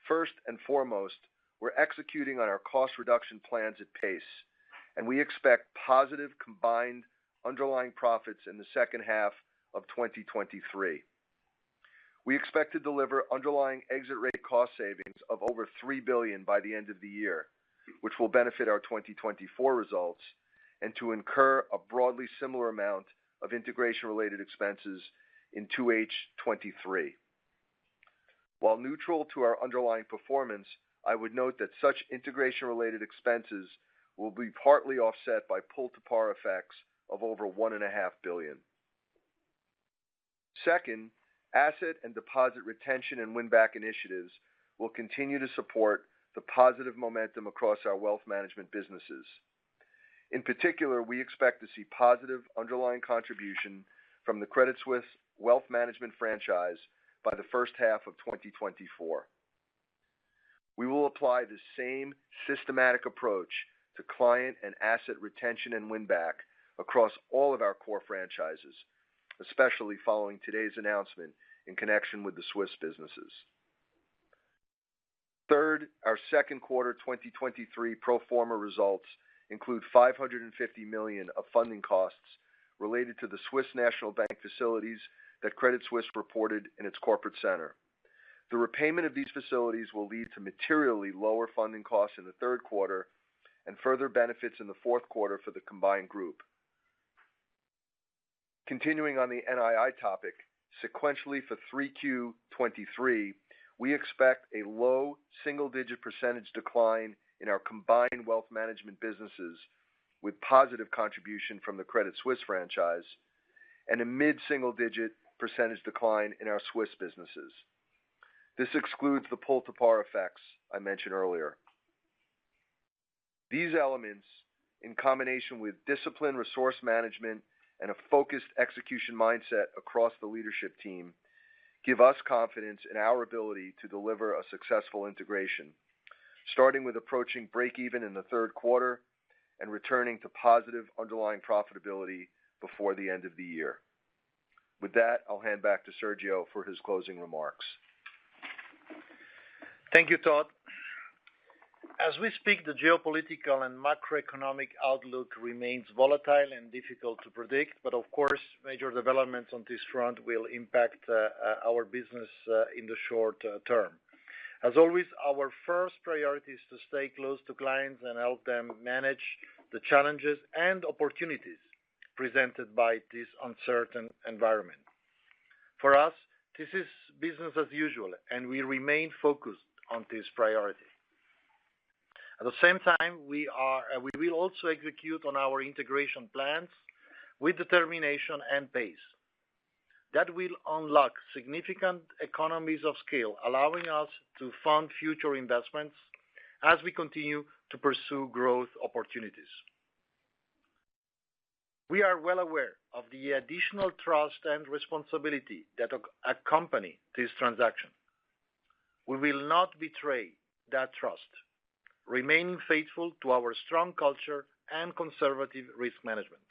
First and foremost, we're executing on our cost reduction plans at pace, and we expect positive combined underlying profits in the second half of 2023. We expect to deliver underlying exit rate cost savings of over $3 billion by the end of the year, which will benefit our 2024 results, and to incur a broadly similar amount of integration-related expenses in 2H 2023. While neutral to our underlying performance, I would note that such integration-related expenses will be partly offset by pull-to-par effects of over $1.5 billion. Second, asset and deposit retention and win-back initiatives will continue to support the positive momentum across our Wealth Management businesses. In particular, we expect to see positive underlying contribution from the Credit Suisse Wealth Management franchise by the first half of 2024. We will apply the same systematic approach to client and asset retention and win back across all of our core franchises, especially following today's announcement in connection with the Swiss businesses. Third, our second quarter 2023 pro forma results include $550 million of funding costs related to the Swiss National Bank facilities that Credit Suisse reported in its Corporate Center. The repayment of these facilities will lead to materially lower funding costs in the third quarter and further benefits in the fourth quarter for the combined group. Continuing on the NII topic, sequentially for 3Q 2023, we expect a low single-digit % decline in our combined Wealth Management businesses, with positive contribution from the Credit Suisse franchise, and a mid-single-digit % decline in our Swiss businesses. This excludes the pull-to-par effects I mentioned earlier. These elements, in combination with disciplined resource management and a focused execution mindset across the leadership team, give us confidence in our ability to deliver a successful integration, starting with approaching break even in the third quarter and returning to positive underlying profitability before the end of the year. With that, I'll hand back to Sergio for his closing remarks. Thank you, Todd. As we speak, the geopolitical and macroeconomic outlook remains volatile and difficult to predict, but of course, major developments on this front will impact our business in the short term. As always, our first priority is to stay close to clients and help them manage the challenges and opportunities presented by this uncertain environment. For us, this is business as usual, and we remain focused on this priority. At the same time, we will also execute on our integration plans with determination and pace. That will unlock significant economies of scale, allowing us to fund future investments as we continue to pursue growth opportunities. We are well aware of the additional trust and responsibility that accompany this transaction. We will not betray that trust, remaining faithful to our strong culture and conservative risk management.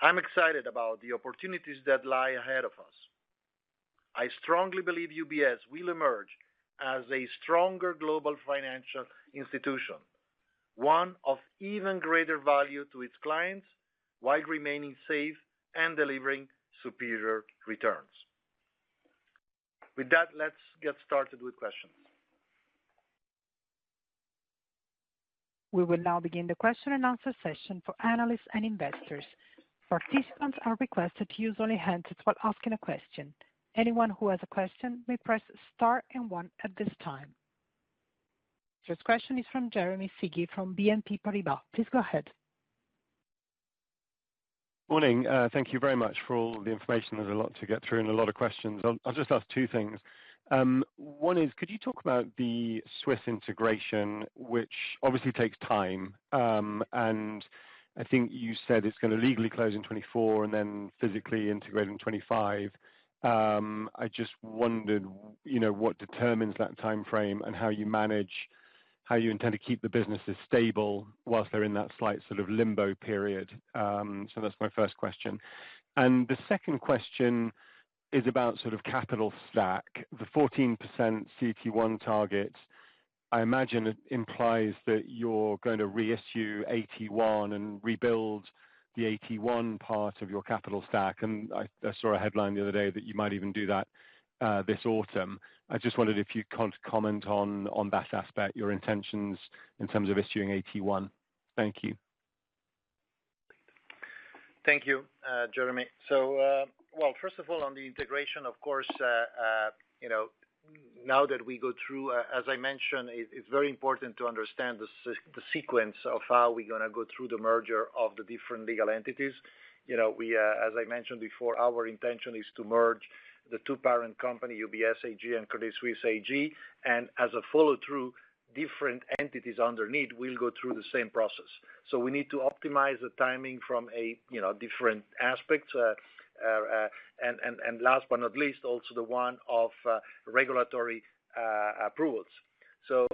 I'm excited about the opportunities that lie ahead of us. I strongly believe UBS will emerge as a stronger global financial institution, one of even greater value to its clients, while remaining safe and delivering superior returns. With that, let's get started with questions. We will now begin the question-and-answer session for analysts and investors. Participants are requested to use only hands while asking a question. Anyone who has a question may press star and one at this time. First question is from Jeremy Sigee from BNP Paribas. Please go ahead. Morning. Thank you very much for all the information. There's a lot to get through and a lot of questions. I'll just ask two things. One is, could you talk about the Swiss integration, which obviously takes time? And I think you said it's going to legally close in 2024 and then physically integrate in 2025. I just wondered, you know, what determines that timeframe and how you intend to keep the businesses stable while they're in that slight sort of limbo period? So that's my first question. And the second question is about sort of capital stack. The 14% CET1 target, I imagine it implies that you're going to reissue AT1 and rebuild the AT1 part of your capital stack. And I saw a headline the other day that you might even do that this autumn. I just wondered if you can't comment on that aspect, your intentions in terms of issuing AT1. Thank you. Thank you, Jeremy. So, well, first of all, on the integration, of course, you know, now that we go through, as I mentioned, it's very important to understand the sequence of how we're going to go through the merger of the different legal entities. You know, we, as I mentioned before, our intention is to merge the two parent company, UBS AG and Credit Suisse AG, and as a follow-through, different entities underneath will go through the same process. So we need to optimize the timing from a, you know, different aspect, and last but not least, also the one of, regulatory approvals. So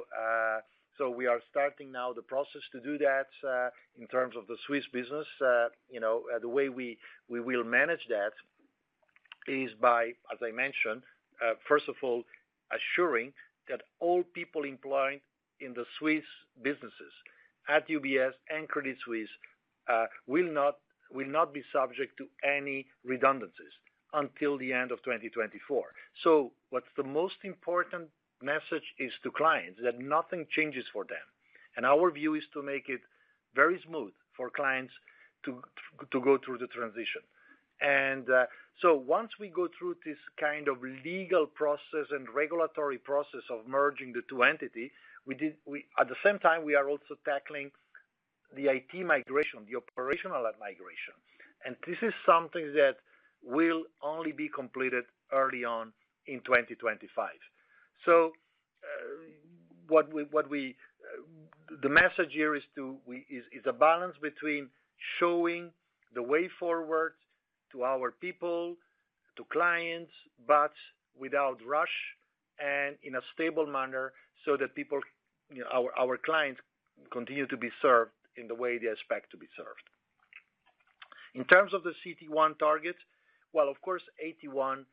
we are starting now the process to do that, in terms of the Swiss business. You know, the way we will manage that is by, as I mentioned, first of all, assuring that all people employed in the Swiss businesses at UBS and Credit Suisse will not be subject to any redundancies until the end of 2024. So what's the most important message is to clients, that nothing changes for them. Our view is to make it very smooth for clients to go through the transition. So once we go through this kind of legal process and regulatory process of merging the two entities, at the same time, we are also tackling the IT migration, the operational migration. This is something that will only be completed early on in 2025. So, the message here is a balance between showing the way forward to our people, to clients, but without rush and in a stable manner, so that people, you know, our clients continue to be served in the way they expect to be served. In terms of the CET1 target, well, of course, AT1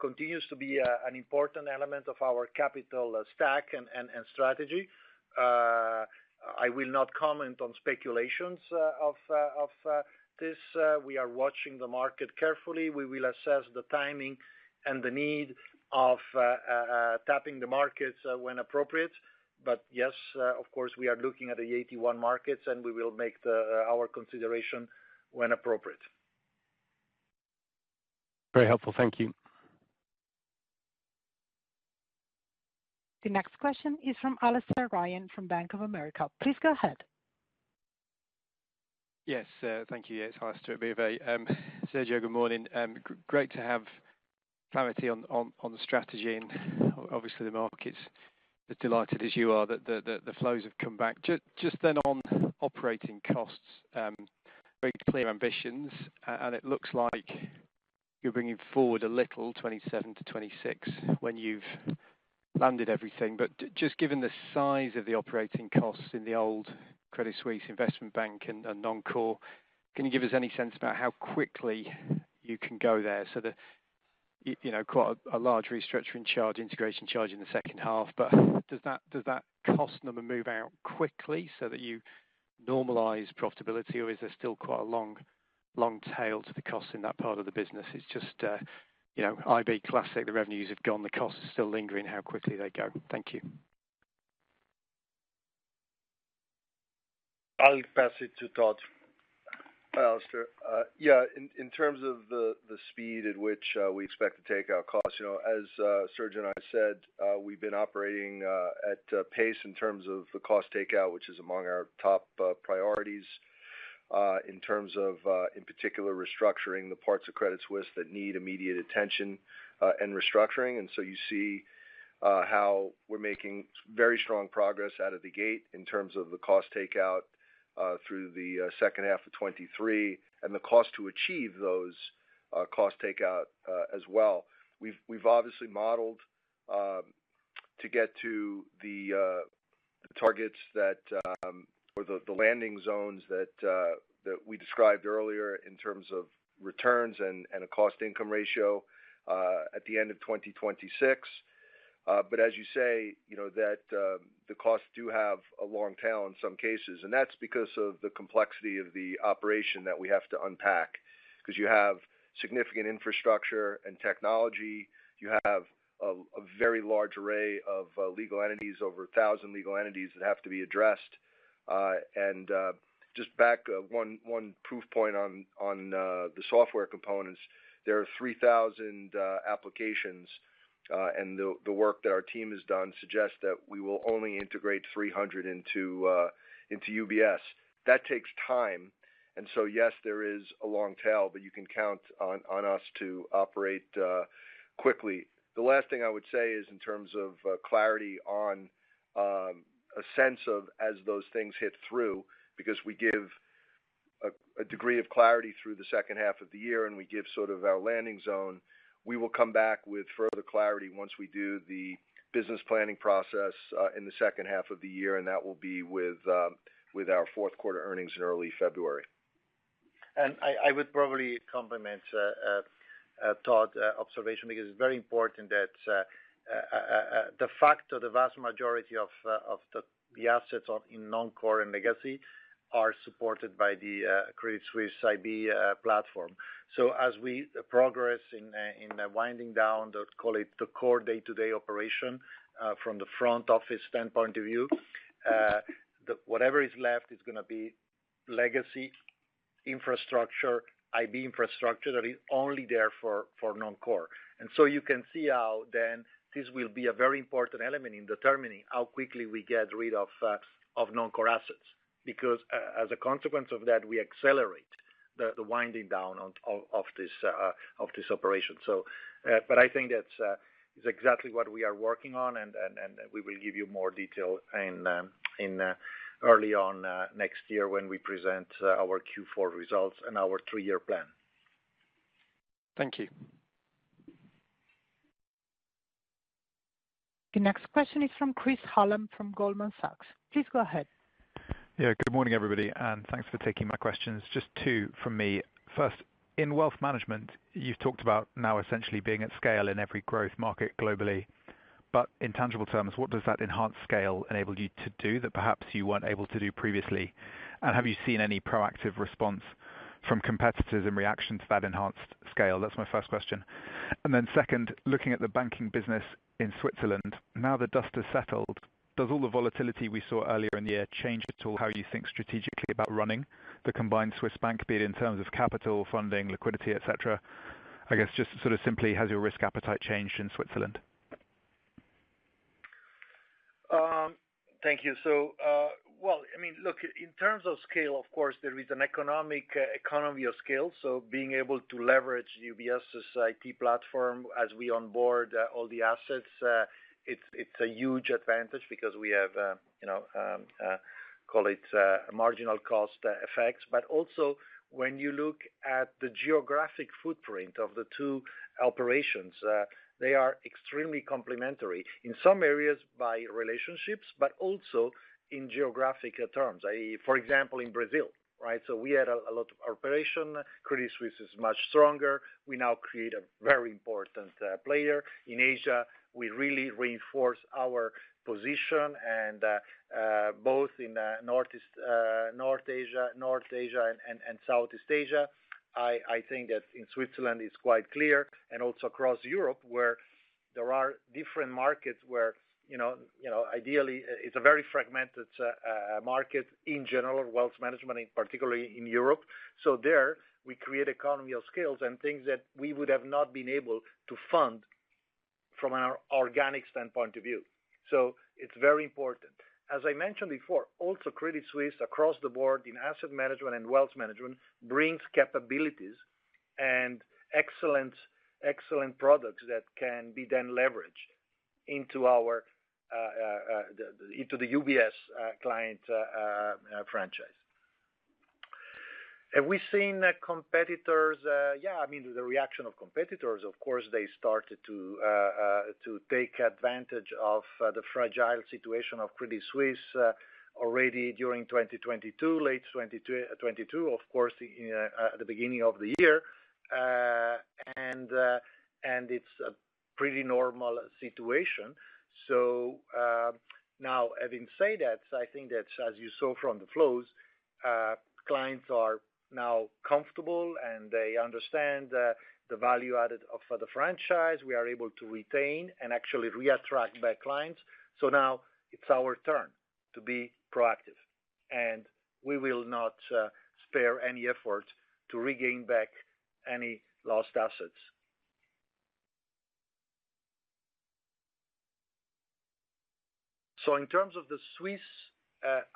continues to be an important element of our capital stack and strategy. I will not comment on speculations of this. We are watching the market carefully. We will assess the timing and the need of tapping the markets when appropriate. But yes, of course, we are looking at the AT1 markets, and we will make our consideration when appropriate. Very helpful. Thank you. The next question is from Alastair Ryan, from Bank of America. Please go ahead. Yes, thank you. It's nice to be very, Sergio, good morning. Great to have clarity on the strategy, and obviously, the market's as delighted as you are that the flows have come back. Just then on operating costs, very clear ambitions, and it looks like you're bringing forward a little 27 to 26 when you've landed everything. But just given the size of the operating costs in the old Credit Suisse Investment Bank and Non-Core, can you give us any sense about how quickly you can go there so that you know, quite a large restructuring charge, integration charge in the second half, but does that cost number move out quickly so that you normalize profitability, or is there still quite a long tail to the cost in that part of the business? It's just, you know, IB Classic, the revenues have gone, the costs are still lingering, how quickly they go? Thank you. I'll pass it to Todd. Alastair, yeah, in terms of the speed at which we expect to take our costs, you know, as Sergio and I said, we've been operating at pace in terms of the cost takeout, which is among our top priorities, in particular, restructuring the parts of Credit Suisse that need immediate attention, and restructuring. And so you see how we're making very strong progress out of the gate in terms of the cost takeout through the second half of 2023, and the cost to achieve those cost takeouts as well. We've obviously modeled to get to the... The targets that, or the, the landing zones that we described earlier in terms of returns and, and a cost-income ratio, at the end of 2026. But as you say, you know, that, the costs do have a long tail in some cases, and that's because of the complexity of the operation that we have to unpack. Because you have significant infrastructure and technology, you have a, a very large array of, legal entities, over 1,000 legal entities that have to be addressed. And, just back, one, one proof point on, the software components. There are 3,000, applications, and the, the work that our team has done suggests that we will only integrate 300 into, into UBS. That takes time, and so there is a long tail, but you can count on us to operate quickly. The last thing I would say is in terms of clarity on a sense of as those things hit through, because we give a degree of clarity through the second half of the year, and we give sort of our landing zone. We will come back with further clarity once we do the business planning process in the second half of the year, and that will be with our fourth quarter earnings in early February. I would probably complement Todd's observation, because it's very important that the fact that the vast majority of the assets in Non-Core and Legacy are supported by the Credit Suisse IB platform. So as we progress in winding down the, call it, the core day-to-day operation from the front office standpoint of view, whatever is left is going to be legacy, infrastructure, IB infrastructure that is only there for Non-Core. And so you can see how then this will be a very important element in determining how quickly we get rid of Non-Core assets. Because as a consequence of that, we accelerate the winding down of this operation. But I think that is exactly what we are working on, and we will give you more detail in early next year when we present our Q4 results and our three-year plan. Thank you. The next question is from Chris Hallam, from Goldman Sachs. Please go ahead. Yeah, good morning, everybody, and thanks for taking my questions. Just two from me. First, in Wealth Management, you've talked about now essentially being at scale in every growth market globally, but in tangible terms, what does that enhanced scale enable you to do that perhaps you weren't able to do previously? And have you seen any proactive response from competitors in reaction to that enhanced scale? That's my first question. And then second, looking at the banking business in Switzerland, now that dust has settled, does all the volatility we saw earlier in the year change at all, how you think strategically about running the combined Swiss Bank, be it in terms of capital, funding, liquidity, et cetera? I guess just sort of simply, has your risk appetite changed in Switzerland? Thank you. So, well, I mean, look, in terms of scale, of course, there is an economy of scale, so being able to leverage UBS's IT platform as we onboard all the assets, it's a huge advantage because we have, you know, call it, marginal cost effects. But also, when you look at the geographic footprint of the two operations, they are extremely complementary. In some areas by relationships, but also in geographic terms, i.e., for example, in Brazil, right? So we had a lot of operation. Credit Suisse is much stronger. We now create a very important player. In Asia, we really reinforce our position and both in Northeast North Asia and Southeast Asia. I think that in Switzerland, it's quite clear and also across Europe, where there are different markets where, you know, you know, ideally it's a very fragmented market in general, Wealth Management, and particularly in Europe. So there we create economies of scale and things that we would have not been able to fund from an organic standpoint of view. So it's very important. As I mentioned before, also, Credit Suisse, across the board in Asset Management and Wealth Management, brings capabilities and excellent, excellent products that can be then leveraged into the UBS client franchise. Have we seen the competitors? Yeah, I mean, the reaction of competitors, of course, they started to take advantage of the fragile situation of Credit Suisse, already during 2022, late 2022, of course, at the beginning of the year. It's a pretty normal situation. So, now, having said that, I think that as you saw from the flows, clients are now comfortable, and they understand the value added of the franchise. We are able to retain and actually reattract back clients. So now it's our turn to be proactive, and we will not spare any effort to regain back any lost assets. So in terms of the Swiss,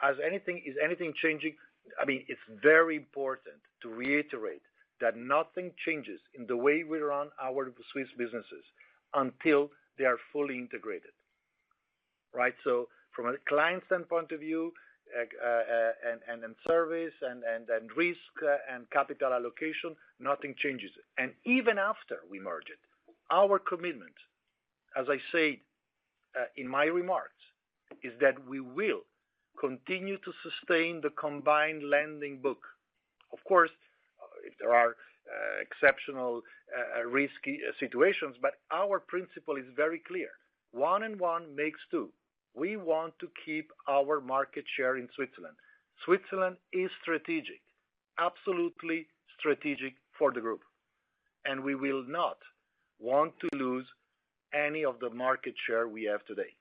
as anything—is anything changing? I mean, it's very important to reiterate that nothing changes in the way we run our Swiss businesses until they are fully integrated, right? So from a client standpoint of view, and in service, and risk, and capital allocation, nothing changes. And even after we merge it, our commitment, as I said, in my remarks, is that we will continue to sustain the combined lending book. Of course, if there are exceptional, risky situations, but our principle is very clear: one and one makes two. We want to keep our market share in Switzerland. Switzerland is strategic, absolutely strategic for the group, and we will not want to lose any of the market share we have today.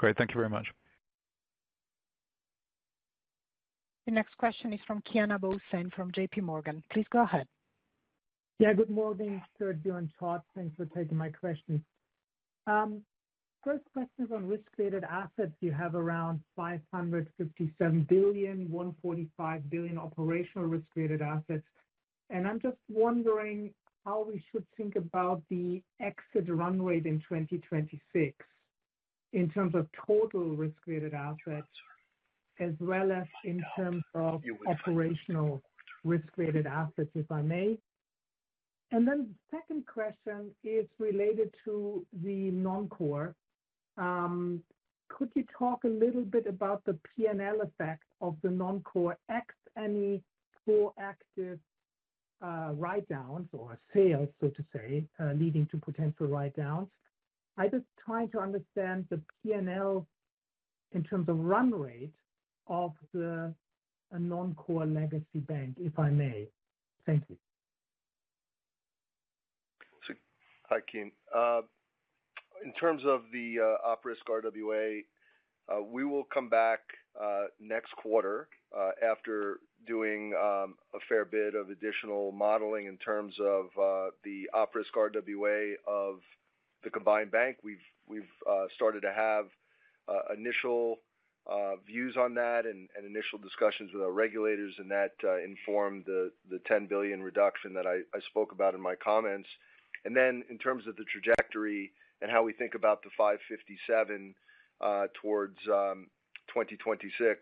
Great. Thank you very much. The next question is from Kian Abouhossein from JP Morgan. Please go ahead. Yeah, good morning, Sergio and Todd. Thanks for taking my questions. First question is on risk-weighted assets. You have around $557 billion, $145 billion operational risk-weighted assets, and I'm just wondering how we should think about the exit run rate in 2026 in terms of total risk-weighted assets, as well as in terms of operational risk-weighted assets, if I may. And then the second question is related to the non-core. Could you talk a little bit about the P&L effect of the Non-Core ex, any core active, write-downs or sales, so to say, leading to potential write-down? I'm just trying to understand the P&L in terms of run rate of the, a Non-Core and Legacy bank, if I may. Thank you. So hi, Kian. In terms of the Op Risk RWA, we will come back next quarter after doing a fair bit of additional modeling in terms of the Op Risk RWA of the combined bank. We've started to have initial views on that and initial discussions with our regulators, and that informed the $10 billion reduction that I spoke about in my comments. And then in terms of the trajectory and how we think about the $557 billion towards 2026,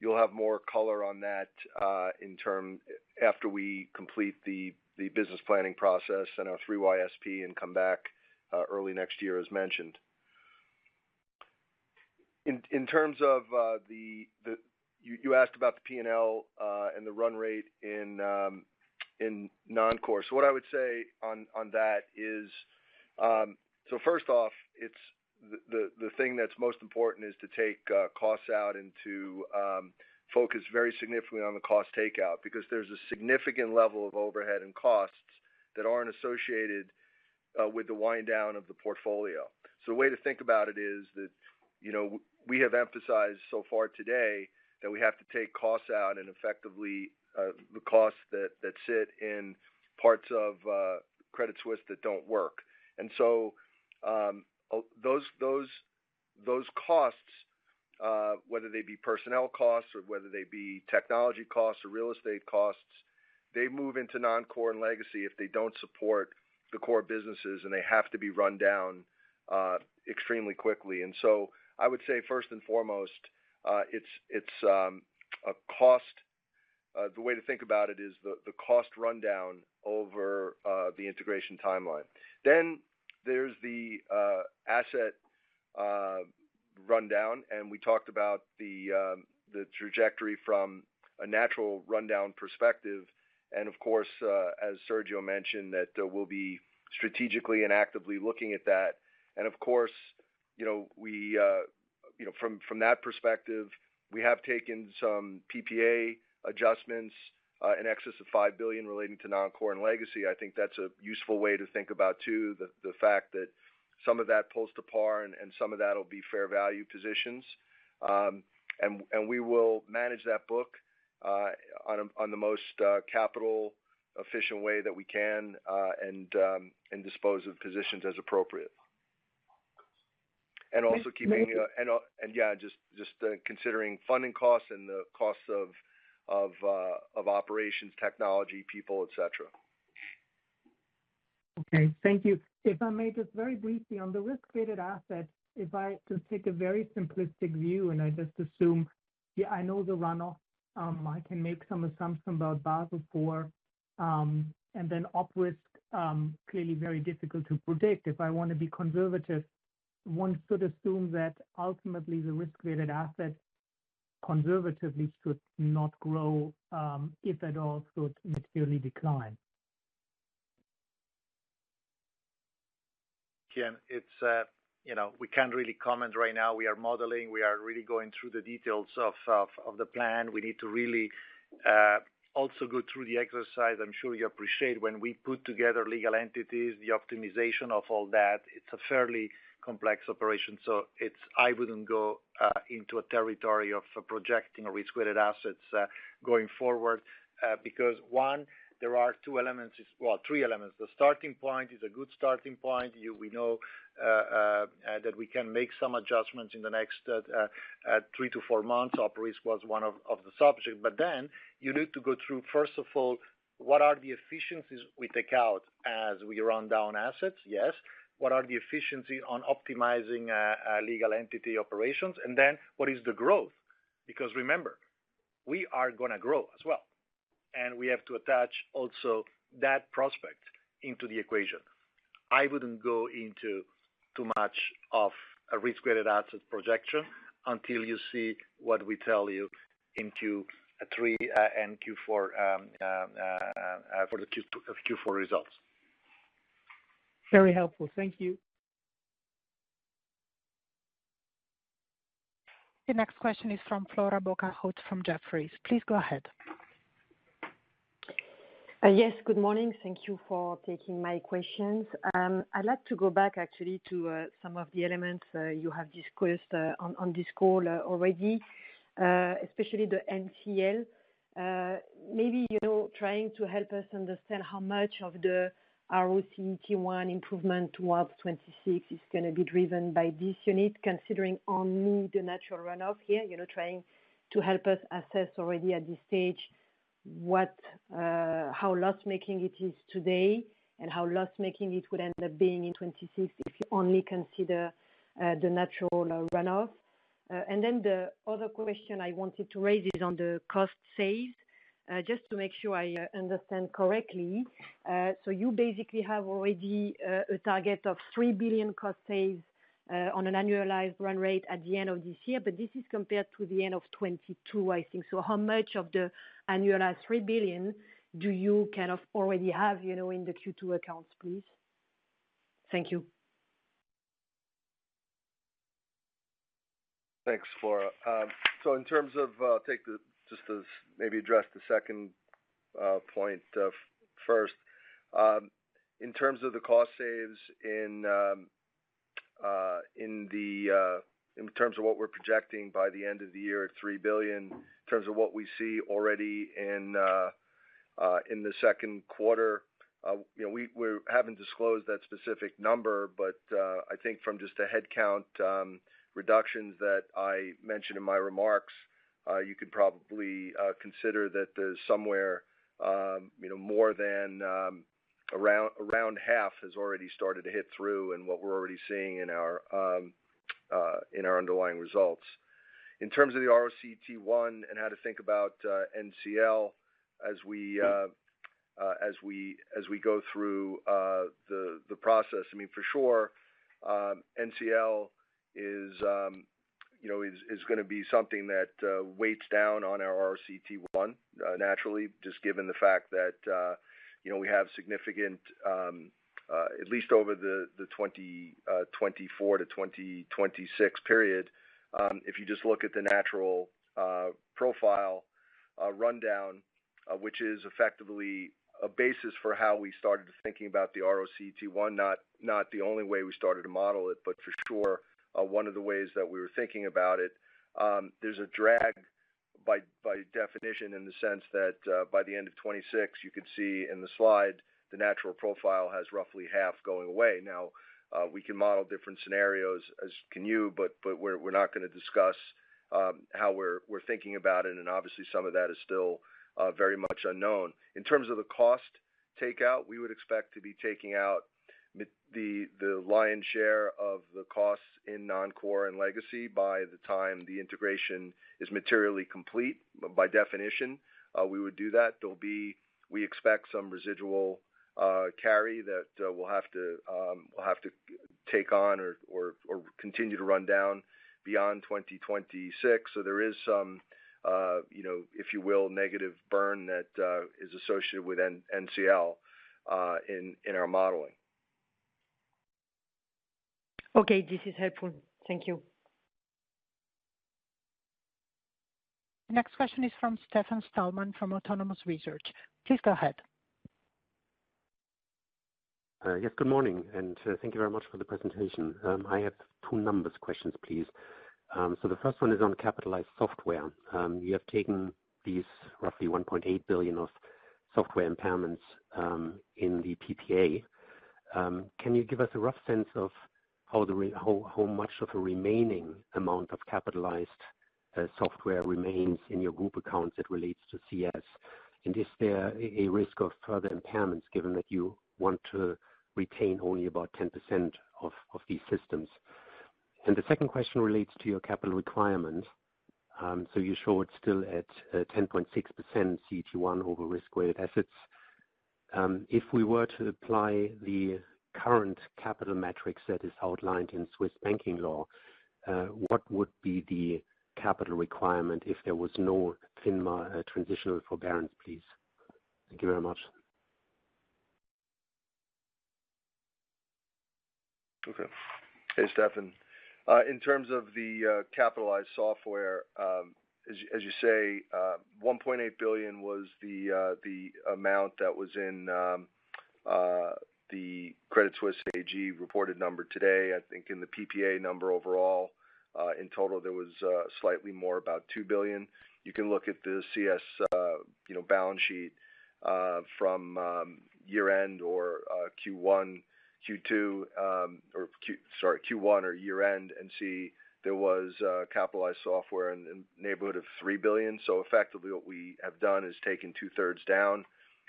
you'll have more color on that after we complete the business planning process and our 3YSP and come back early next year, as mentioned. In terms of, you asked about the P&L and the run rate in Non-Core. So what I would say on that is, so first off, it's the thing that's most important is to take costs out and to focus very significantly on the cost takeout, because there's a significant level of overhead and costs that aren't associated with the wind down of the portfolio. So a way to think about it is that, you know, we have emphasized so far today that we have to take costs out and effectively the costs that sit in parts of Credit Suisse that don't work. And so those costs, whether they be personnel costs or whether they be technology costs or real estate costs, they move into Non-Core and Legacy if they don't support the core businesses, and they have to be run down extremely quickly. So I would say, first and foremost, it's a cost—the way to think about it is the cost rundown over the integration timeline. Then there's the asset rundown, and we talked about the trajectory from a natural rundown perspective. And of course, as Sergio mentioned, we'll be strategically and actively looking at that. And of course, you know, we, you know, from that perspective, we have taken some PPA adjustments in excess of $5 billion relating to Non-Core and Legacy. I think that's a useful way to think about, too, the fact that some of that pulls to par and some of that will be fair value positions. And we will manage that book on the most capital efficient way that we can, and dispose of positions as appropriate. Thank- And also keeping, yeah, just considering funding costs and the costs of operations, technology, people, et cetera. Okay. Thank you. If I may, just very briefly on the risk-weighted assets, if I just take a very simplistic view, and I just assume, yeah, I know the runoff, I can make some assumptions about Basel IV, and then op risk, clearly very difficult to predict. If I want to be conservative, one should assume that ultimately the risk-weighted assets conservatively should not grow, if at all, should materially decline. Kian, it's, you know, we can't really comment right now. We are modeling. We are really going through the details of the plan. We need to really also go through the exercise. I'm sure you appreciate when we put together legal entities, the optimization of all that, is a fairly complex operation. So it's. I wouldn't go into a territory of projecting risk-weighted assets, going forward, because, one, there are two elements, well, three elements. The starting point is a good starting point. We know that we can make some adjustments in the next 3-4 months. Op risk was one of the subject. But then you need to go through, first of all, what are the efficiencies we take out as we run down assets? Yes. What are the efficiencies on optimizing legal entity operations? And then what is the growth? Because we are going to grow as well, and we have to attach also that prospect into the equation. I wouldn't go into too much of a risk-weighted asset projection until you see what we tell you into 2023 and Q4 for the Q4 results. Very helpful. Thank you. The next question is from Flora Bocahut from Jefferies. Please go ahead. Yes, good morning. Thank you for taking my questions. I'd like to go back actually to some of the elements you have discussed on this call already, especially the NCL. Maybe, you know, trying to help us understand how much of the RoCET1 improvement towards 2026 is going to be driven by this unit, considering only the natural runoff here, you know, trying to help us assess already at this stage, what, how loss-making it is today and how loss-making it would end up being in 2026, if you only consider the natural runoff. And then the other question I wanted to raise is on the cost saves. Just to make sure I understand correctly, so you basically have already a target of $3 billion cost saves on an annualized run rate at the end of this year, but this is compared to the end of 2022, I think. So how much of the annualized $3 billion do you kind of already have, you know, in the Q2 accounts, please? Thank you. Thanks, Flora. So in terms of, just as maybe address the second point first. In terms of the cost saves in, in terms of what we're projecting by the end of the year at $3 billion, in terms of what we see already in the second quarter, you know, we haven't disclosed that specific number, but I think from just a headcount reductions that I mentioned in my remarks, you could probably consider that there's somewhere, you know, more than around half has already started to hit through and what we're already seeing in our underlying results. In terms of the RoCET1 and how to think about NCL as we go through the process, I mean, for sure, NCL is, you know, going to be something that weighs down on our RoCET1 naturally, just given the fact that, you know, we have significant at least over the 2024 to 2026 period. If you just look at the natural profile rundown, which is effectively a basis for how we started thinking about the RoCET1, not the only way we started to model it, but for sure, one of the ways that we were thinking about it. There's a drag by, by definition, in the sense that, by the end of 2026, you could see in the slide, the natural profile has roughly half going away. Now, we can model different scenarios as can you, but, but we're, we're not going to discuss, how we're, we're thinking about it, and obviously some of that is still, very much unknown. In terms of the cost takeout, we would expect to be taking out the, the lion's share of the costs in Non-Core and Legacy by the time the integration is materially complete, by definition, we would do that. There'll be- we expect some residual, carry that, we'll have to, we'll have to take on or, or, or continue to run down beyond 2026. There is some, you know, if you will, negative burn that is associated with NCL in our modeling. Okay, this is helpful. Thank you. The next question is from Stefan Stalmann from Autonomous Research. Please go ahead. Yes, good morning, and thank you very much for the presentation. I have two numbers questions, please. The first one is on capitalized software. You have taken these roughly $1.8 billion of software impairments in the PPA. Can you give us a rough sense of how much of a remaining amount of capitalized software remains in your group accounts that relates to CS? And is there a risk of further impairments given that you want to retain only about 10% of these systems? And the second question relates to your capital requirement. You show it's still at 10.6% CET1 over risk-weighted assets. If we were to apply the current capital metrics that is outlined in Swiss banking law, what would be the capital requirement if there was no FINMA transitional forbearance, please? Thank you very much. Okay. Hey, Stefan. In terms of the capitalized software, as you say, $1.8 billion was the amount that was in the Credit Suisse AG reported number today. I think in the PPA number overall, in total, there was slightly more about $2 billion. You can look at the CS, you know, balance sheet from year-end or Q1, Q2, or Q... Sorry, Q1 or year-end, and see there was capitalized software in the neighborhood of $3 billion. So effectively, what we have done is taken two-thirds down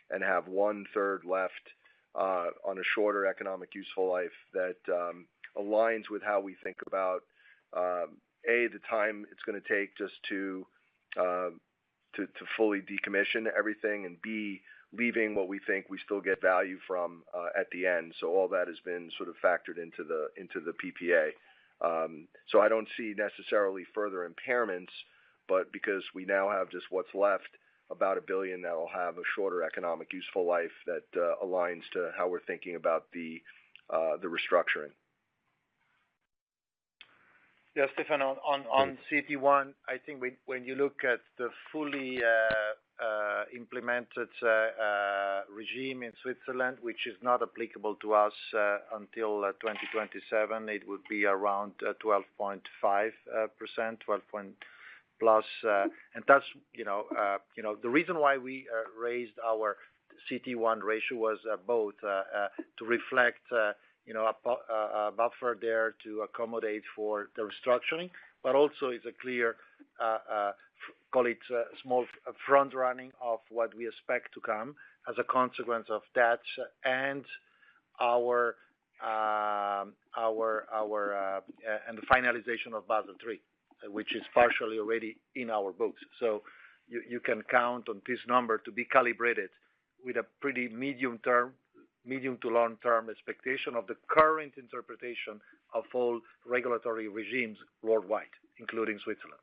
and have one-third left... on a shorter economic useful life that aligns with how we think about the time it's gonna take just to fully decommission everything. B, leaving what we think we still get value from at the end. So all that has been sort of factored into the PPA. So I don't see necessarily further impairments, but because we now have just what's left, about $1 billion, that'll have a shorter economic useful life that aligns to how we're thinking about the restructuring. Yeah, Stefan, on CET1, I think when you look at the fully implemented regime in Switzerland, which is not applicable to us until 2027, it would be around 12.5%, 12%+. And that's, you know, you know, the reason why we raised our CET1 ratio was both to reflect, you know, a buffer there to accommodate for the restructuring. But also it's a clear, call it, a small front running of what we expect to come as a consequence of that and our, and the finalization of Basel III, which is partially already in our books. So you can count on this number to be calibrated with a pretty medium term, medium to long term expectation of the current interpretation of all regulatory regimes worldwide, including Switzerland.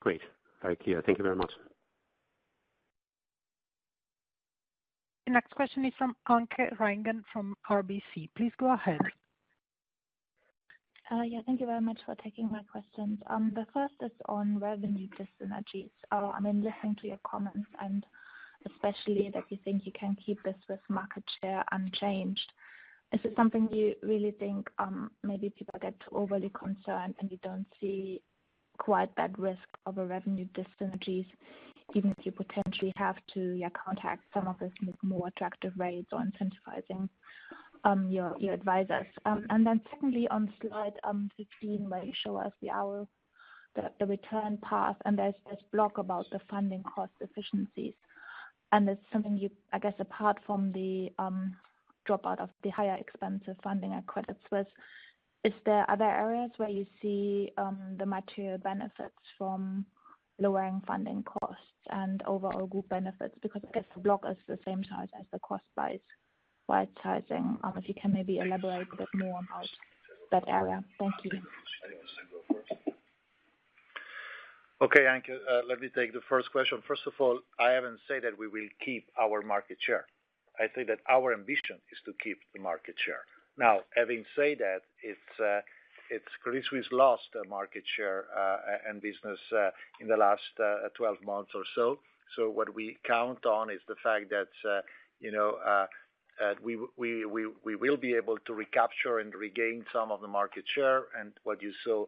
Great. Thank you. Thank you very much. The next question is from Anke Reingen from RBC. Please go ahead. Yeah, thank you very much for taking my questions. The first is on revenue dyssynergies. I mean, listening to your comments, and especially that you think you can keep this with market share unchanged. Is it something you really think, maybe people get overly concerned, and you don't see quite that risk of a revenue dyssynergies, even if you potentially have to contact some of those with more attractive rates or incentivizing your advisors? And then secondly, on slide 15, where you show us the return path, and there's this block about the funding cost efficiencies. And it's something you—I guess, apart from the dropout of the higher expensive funding and credits with, is there other areas where you see the material benefits from lowering funding costs and overall group benefits? Because I guess the block is the same size as the cost basis sizing. If you can maybe elaborate a bit more on how that area. Thank you. Okay, Anke, let me take the first question. First of all, I haven't said that we will keep our market share. I say that our ambition is to keep the market share. Now, having said that, it's Credit Suisse lost market share in business in the last 12 months or so. So what we count on is the fact that you know we will be able to recapture and regain some of the market share. And what you saw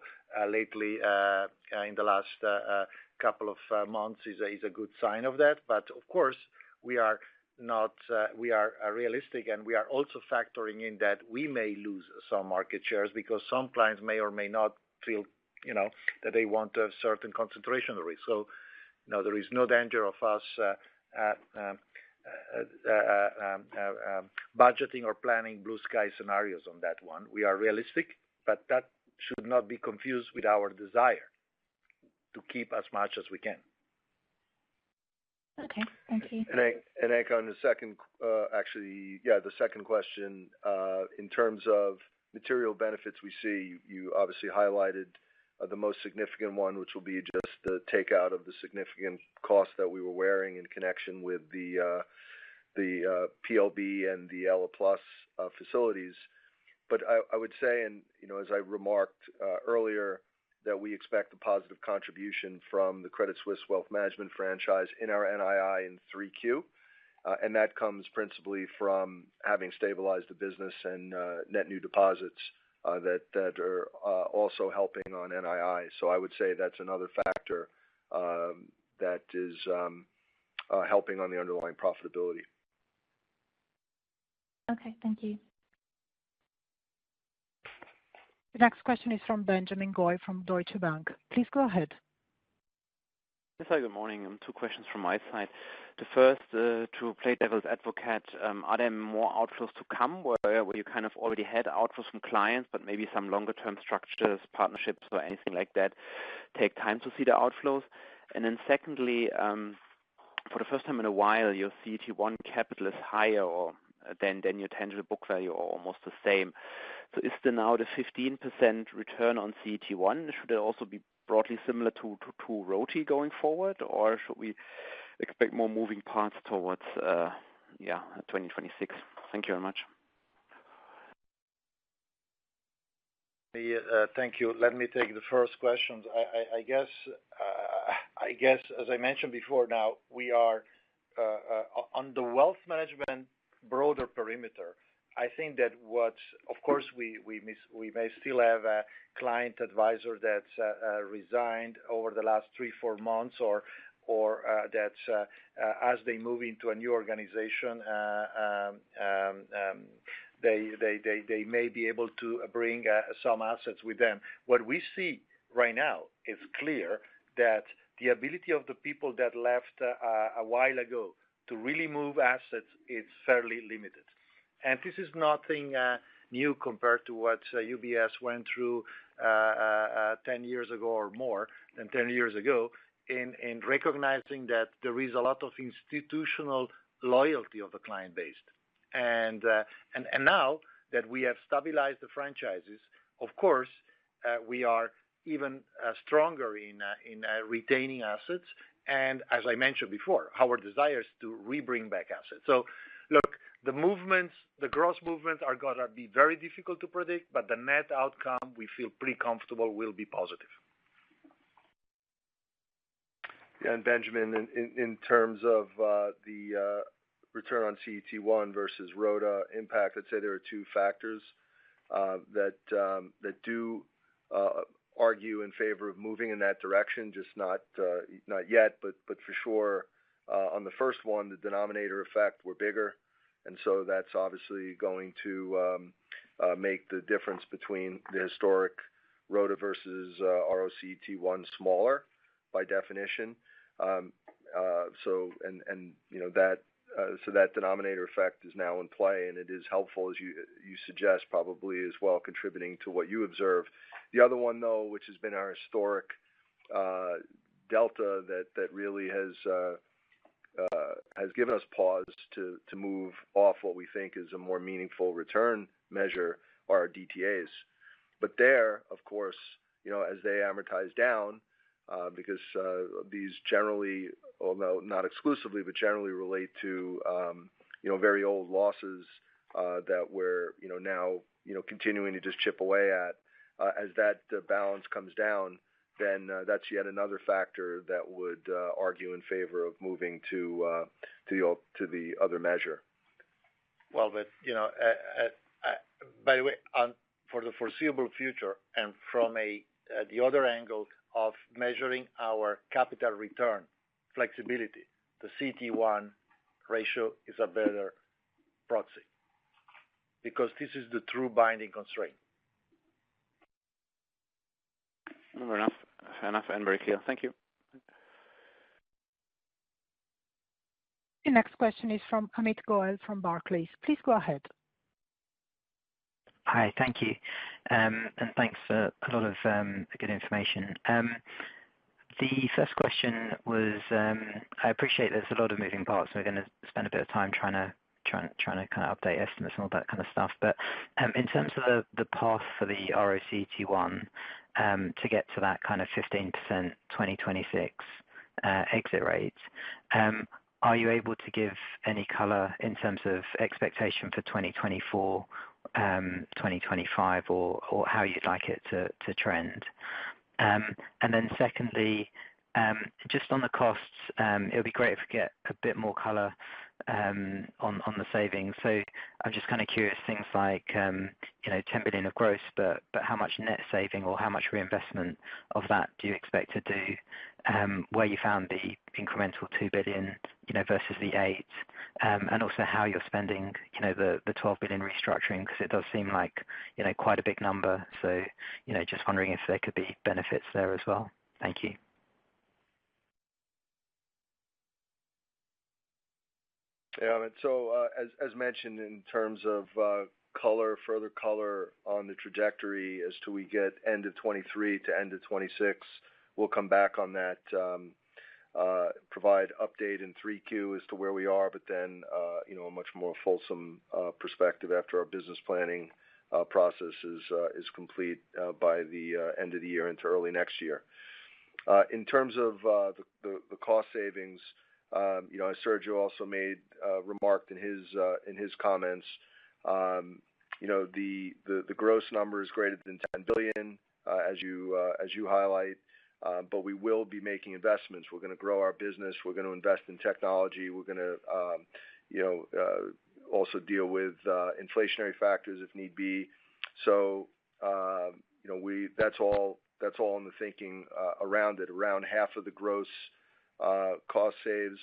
lately in the last couple of months is a good sign of that. But of course, we are not, we are, realistic, and we are also factoring in that we may lose some market shares because some clients may or may not feel, you know, that they want a certain concentration risk. So, you know, there is no danger of us, budgeting or planning blue sky scenarios on that one. We are realistic, but that should not be confused with our desire to keep as much as we can. Okay, thank you. And I and Anke, on the second, actually, yeah, the second question, in terms of material benefits, we see you obviously highlighted the most significant one, which will be just the takeout of the significant cost that we were wearing in connection with the PLB and the ELA+ facilities. But I would say, you know, as I remarked earlier, that we expect a positive contribution from the Credit Suisse Wealth Management franchise in our NII in 3Q. And that comes principally from having stabilized the business and net new deposits that are also helping on NII. So I would say that's another factor that is helping on the underlying profitability. Okay, thank you. The next question is from Benjamin Goy from Deutsche Bank. Please go ahead. Yes, hi, good morning, and two questions from my side. The first, to play devil's advocate, are there more outflows to come, where, where you kind of already had outflows from clients, but maybe some longer-term structures, partnerships, or anything like that, take time to see the outflows? And then secondly, for the first time in a while, your CET1 capital is higher or than, than your tangible book value, or almost the same. So is the now the 15% return on CET1, should it also be broadly similar to, to, to RoTE going forward? Or should we expect more moving parts towards 2026? Thank you very much. Yeah, thank you. Let me take the first question. I guess, I guess, as I mentioned before now, we are on the Wealth Management broader perimeter. I think that what... Of course, we miss—we may still have a client advisor that resigned over the last three, four months, or that as they move into a new organization, they may be able to bring some assets with them. What we see right now, it's clear that the ability of the people that left a while ago to really move assets is fairly limited. This is nothing new compared to what UBS went through ten years ago or more than ten years ago in recognizing that there is a lot of institutional loyalty of the client base. And now that we have stabilized the franchises, of course, we are even stronger in retaining assets, and as I mentioned before, our desire is to re-bring back assets. So look, the movements, the gross movements are gonna be very difficult to predict, but the net outcome, we feel pretty comfortable will be positive. Yeah, and Benjamin, in terms of the return on CET1 versus RoTE impact, I'd say there are two factors that do argue in favor of moving in that direction, just not yet. But for sure, on the first one, the denominator effect were bigger, and so that's obviously going to make the difference between the historic RoTE versus RoCET1 smaller, by definition. So, and you know, that denominator effect is now in play, and it is helpful, as you suggest, probably as well, contributing to what you observed. The other one, though, which has been our historic delta that really has given us pause to move off what we think is a more meaningful return measure are our DTAs. But there, of course, you know, as they amortize down, because these generally, although not exclusively, but generally relate to, you know, very old losses that we're, you know, now, you know, continuing to just chip away at. As that balance comes down, then that's yet another factor that would argue in favor of moving to, to the, to the other measure. Well, but, you know, by the way, for the foreseeable future and from a, the other angle of measuring our capital return flexibility, the CET1 ratio is a better proxy because this is the true binding constraint. Fair enough. Fair enough, and very clear. Thank you. The next question is from Amit Goel from Barclays. Please go ahead. Hi, thank you. And thanks for a lot of good information. The first question was, I appreciate there's a lot of moving parts, and we're going to spend a bit of time trying to kind of update estimates and all that kind of stuff. But, in terms of the path for the RoCET1, to get to that kind of 15% 2026 exit rate, are you able to give any color in terms of expectation for 2024, 2025, or how you'd like it to trend? And then secondly, just on the costs, it would be great if we get a bit more color on the savings. So I'm just kind of curious, things like, you know, $10 billion of gross, but, but how much net saving or how much reinvestment of that do you expect to do? Where you found the incremental $2 billion, you know, versus the 8, and also how you're spending, you know, the, the $12 billion restructuring, because it does seem like, you know, quite a big number. So, you know, just wondering if there could be benefits there as well. Thank you. Yeah, so, as mentioned, in terms of color, further color on the trajectory as to we get end of 2023 to end of 2026, we'll come back on that, provide update in Q3 as to where we are, but then, you know, a much more fulsome perspective after our business planning process is complete, by the end of the year into early next year. In terms of the cost savings, you know, Sergio also made remarks in his comments, you know, the gross number is greater than $10 billion, as you highlight. But we will be making investments. We're going to grow our business. We're going to invest in technology. We're going to, you know, also deal with, inflationary factors if need be. So, you know, we -- that's all, that's all in the thinking, around it. Around half of the gross, cost saves,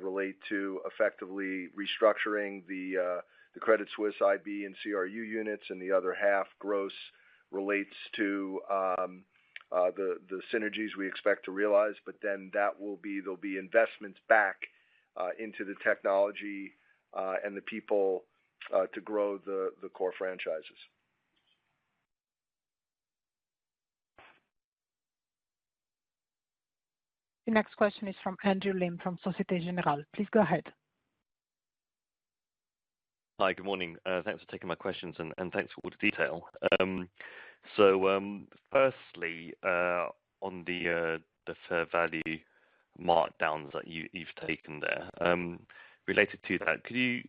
relate to effectively restructuring the, the Credit Suisse IB and CRU units, and the other half gross relates to, the, the synergies we expect to realize, but then that will be- there'll be investments back, into the technology, and the people, to grow the, the core franchises. The next question is from Andrew Lim, from Société Générale. Please go ahead. Hi, good morning. Thanks for taking my questions, and thanks for all the detail. So, firstly, on the fair value markdowns that you've taken there, related to that, could you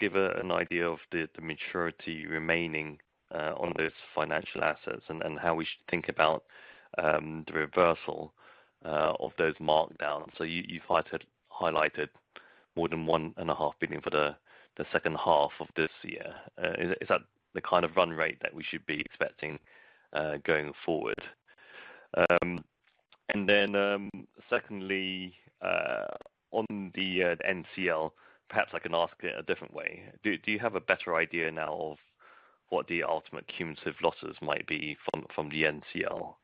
give an idea of the maturity remaining on those financial assets and how we should think about the reversal of those markdowns? So you've highlighted more than $1.5 billion for the second half of this year. Is that the kind of run rate that we should be expecting going forward? Then, secondly, on the NCL, perhaps I can ask it a different way. Do you have a better idea now of what the ultimate cumulative losses might be from the NCL?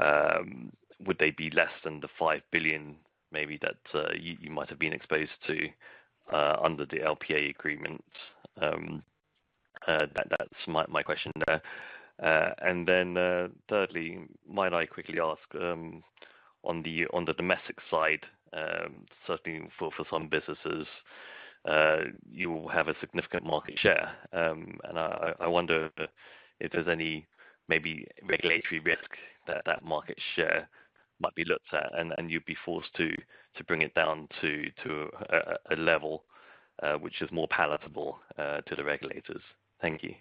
Would they be less than the $5 billion, maybe, that you might have been exposed to under the LPA agreement? That's my question there. And then, thirdly, might I quickly ask on the domestic side, certainly for some businesses, you will have a significant market share. And I wonder if there's any maybe regulatory risk that that market share might be looked at, and you'd be forced to bring it down to a level which is more palatable to the regulators. Thank you.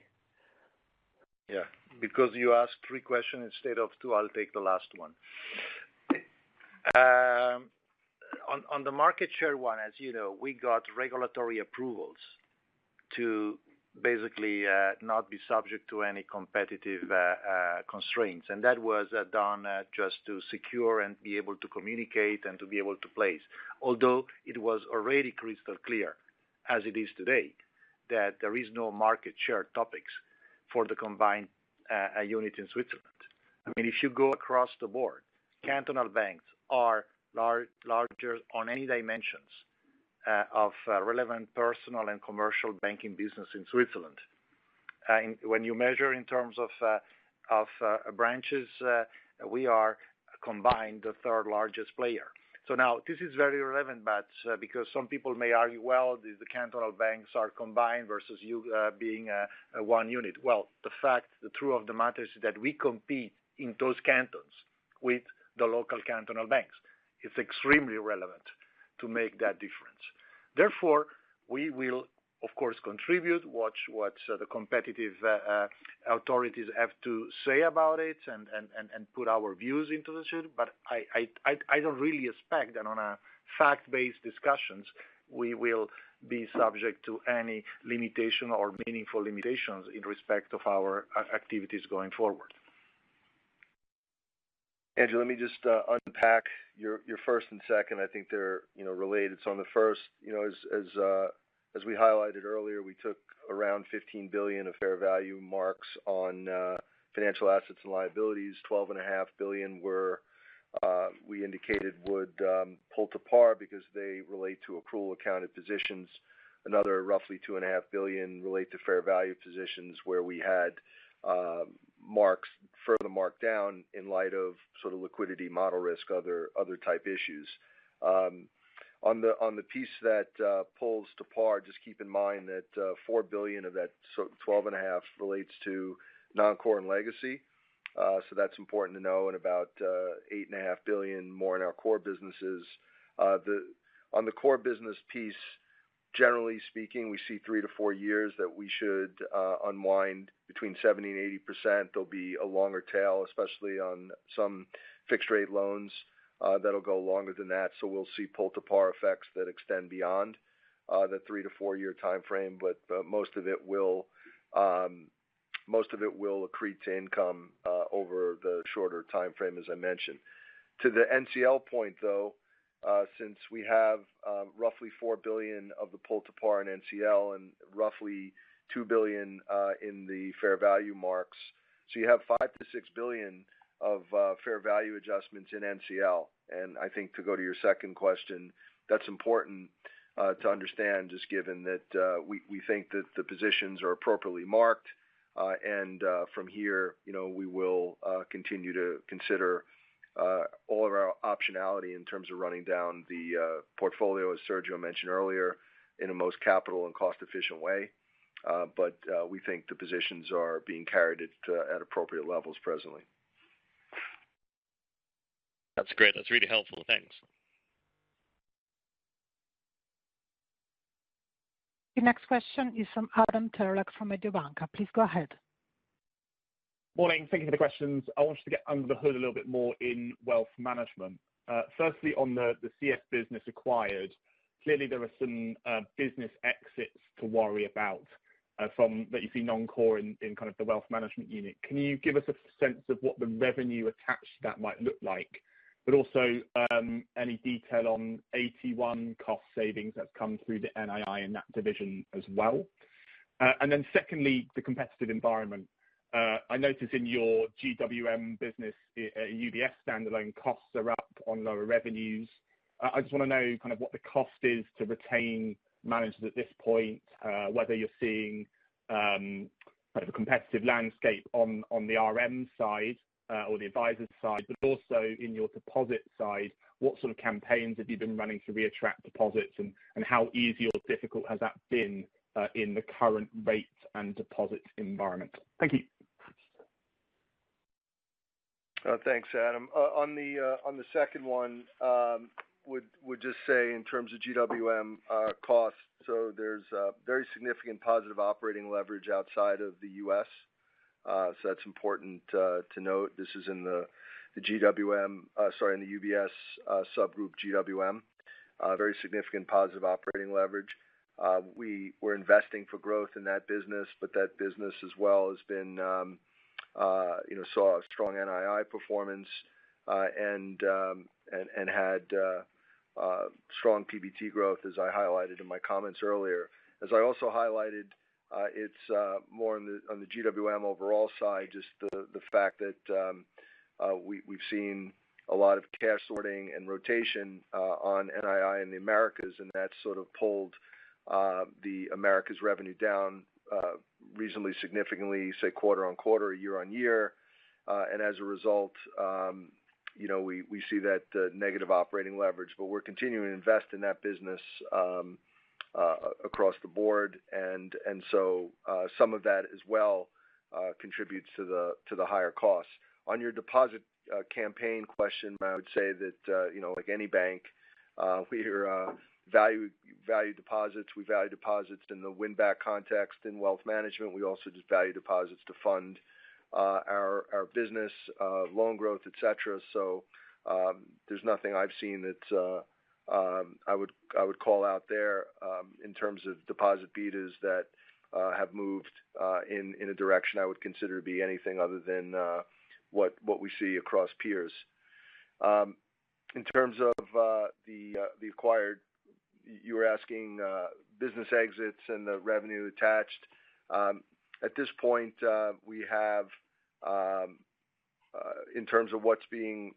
Yeah. Because you asked three questions instead of two, I'll take the last one. On the market share one, as you know, we got regulatory approvals to basically not be subject to any competitive constraints, and that was done just to secure and be able to communicate and to be able to place. Although it was already crystal clear, as it is today, that there is no market share topics for the combined unit in Switzerland. I mean, if you go across the board, cantonal banks are larger on any dimensions of relevant personal and commercial banking business in Switzerland. And when you measure in terms of branches, we are combined the third largest player. So now this is very relevant, but because some people may argue, well, the cantonal banks are combined versus you being a one unit. Well, the fact, the truth of the matter is that we compete in those cantons with the local cantonal banks. It's extremely relevant to make that difference. Therefore, we will, of course, contribute, watch what the competitive authorities have to say about it and put our views into the issue. But I don't really expect that on a fact-based discussions, we will be subject to any limitation or meaningful limitations in respect of our activities going forward. Andrew, let me just unpack your first and second. I think they're, you know, related. So on the first, you know, as we highlighted earlier, we took around $15 billion of fair value marks on financial assets and liabilities. $12.5 billion were, we indicated, would pull to par because they relate to accrual accounted positions. Another roughly $2.5 billion relate to fair value positions, where we had marks further marked down in light of sort of liquidity model risk, other type issues. On the piece that pulls to par, just keep in mind that $4 billion of that, so $12.5 billion, relates to Non-Core and Legacy. So that's important to know, and about $8.5 billion more in our core businesses. On the core business piece, generally speaking, we see 3-4 years that we should unwind between 70%-80%. There'll be a longer tail, especially on some fixed rate loans, that'll go longer than that. So we'll see pull-to-par effects that extend beyond the 3-4-year timeframe, but most of it will accrete to income over the shorter timeframe, as I mentioned. To the NCL point, though, since we have roughly $4 billion of the pull to par in NCL and roughly $2 billion in the fair value marks, so you have $5-$6 billion of fair value adjustments in NCL. And I think to go to your second question, that's important to understand, just given that we think that the positions are appropriately marked. And from here, you know, we will continue to consider all of our optionality in terms of running down the portfolio, as Sergio mentioned earlier, in a most capital and cost-efficient way. But we think the positions are being carried at appropriate levels presently. That's great. That's really helpful. Thanks. The next question is from Adam Terelak, from Mediobanca. Please go ahead. Morning. Thank you for the questions. I wanted to get under the hood a little bit more in Wealth Management. Firstly, on the CS business acquired, clearly there are some business exits to worry about, from that you see Non-Core in kind of the Wealth Management unit. Can you give us a sense of what the revenue attached to that might look like, but also any detail on AT1 cost savings that's come through the NII in that division as well? And then secondly, the competitive environment. I noticed in your GWM business, UBS standalone costs are up on lower revenues. I just want to know kind of what the cost is to retain managers at this point, whether you're seeing kind of a competitive landscape on, on the RM side, or the advisor side, but also in your deposit side, what sort of campaigns have you been running to reattract deposits and, and how easy or difficult has that been, in the current rate and deposit environment? Thank you. Thanks, Adam. On the second one, would just say in terms of GWM costs, so there's a very significant positive operating leverage outside of the US. So that's important to note. This is in the GWM, sorry, in the UBS subgroup GWM. Very significant positive operating leverage. We were investing for growth in that business, but that business as well has been, you know, saw a strong NII performance, and had strong PBT growth, as I highlighted in my comments earlier. As I also highlighted, it's more on the GWM overall side, just the fact that we've seen a lot of cash sorting and rotation on NII in the Americas, and that sort of pulled the Americas revenue down reasonably significantly, say, quarter-on-quarter, year-on-year. And as a result, you know, we see that negative operating leverage. But we're continuing to invest in that business across the board. And so, some of that as well contributes to the higher costs. On your deposit campaign question, I would say that, you know, like any bank, we value deposits. We value deposits in the win-back context, in Wealth Management. We also just value deposits to fund our business, loan growth, et cetera. So, there's nothing I've seen that I would call out there in terms of deposit betas that have moved in a direction I would consider to be anything other than what we see across peers. In terms of the acquired, you were asking, business exits and the revenue attached. At this point, we have in terms of what's being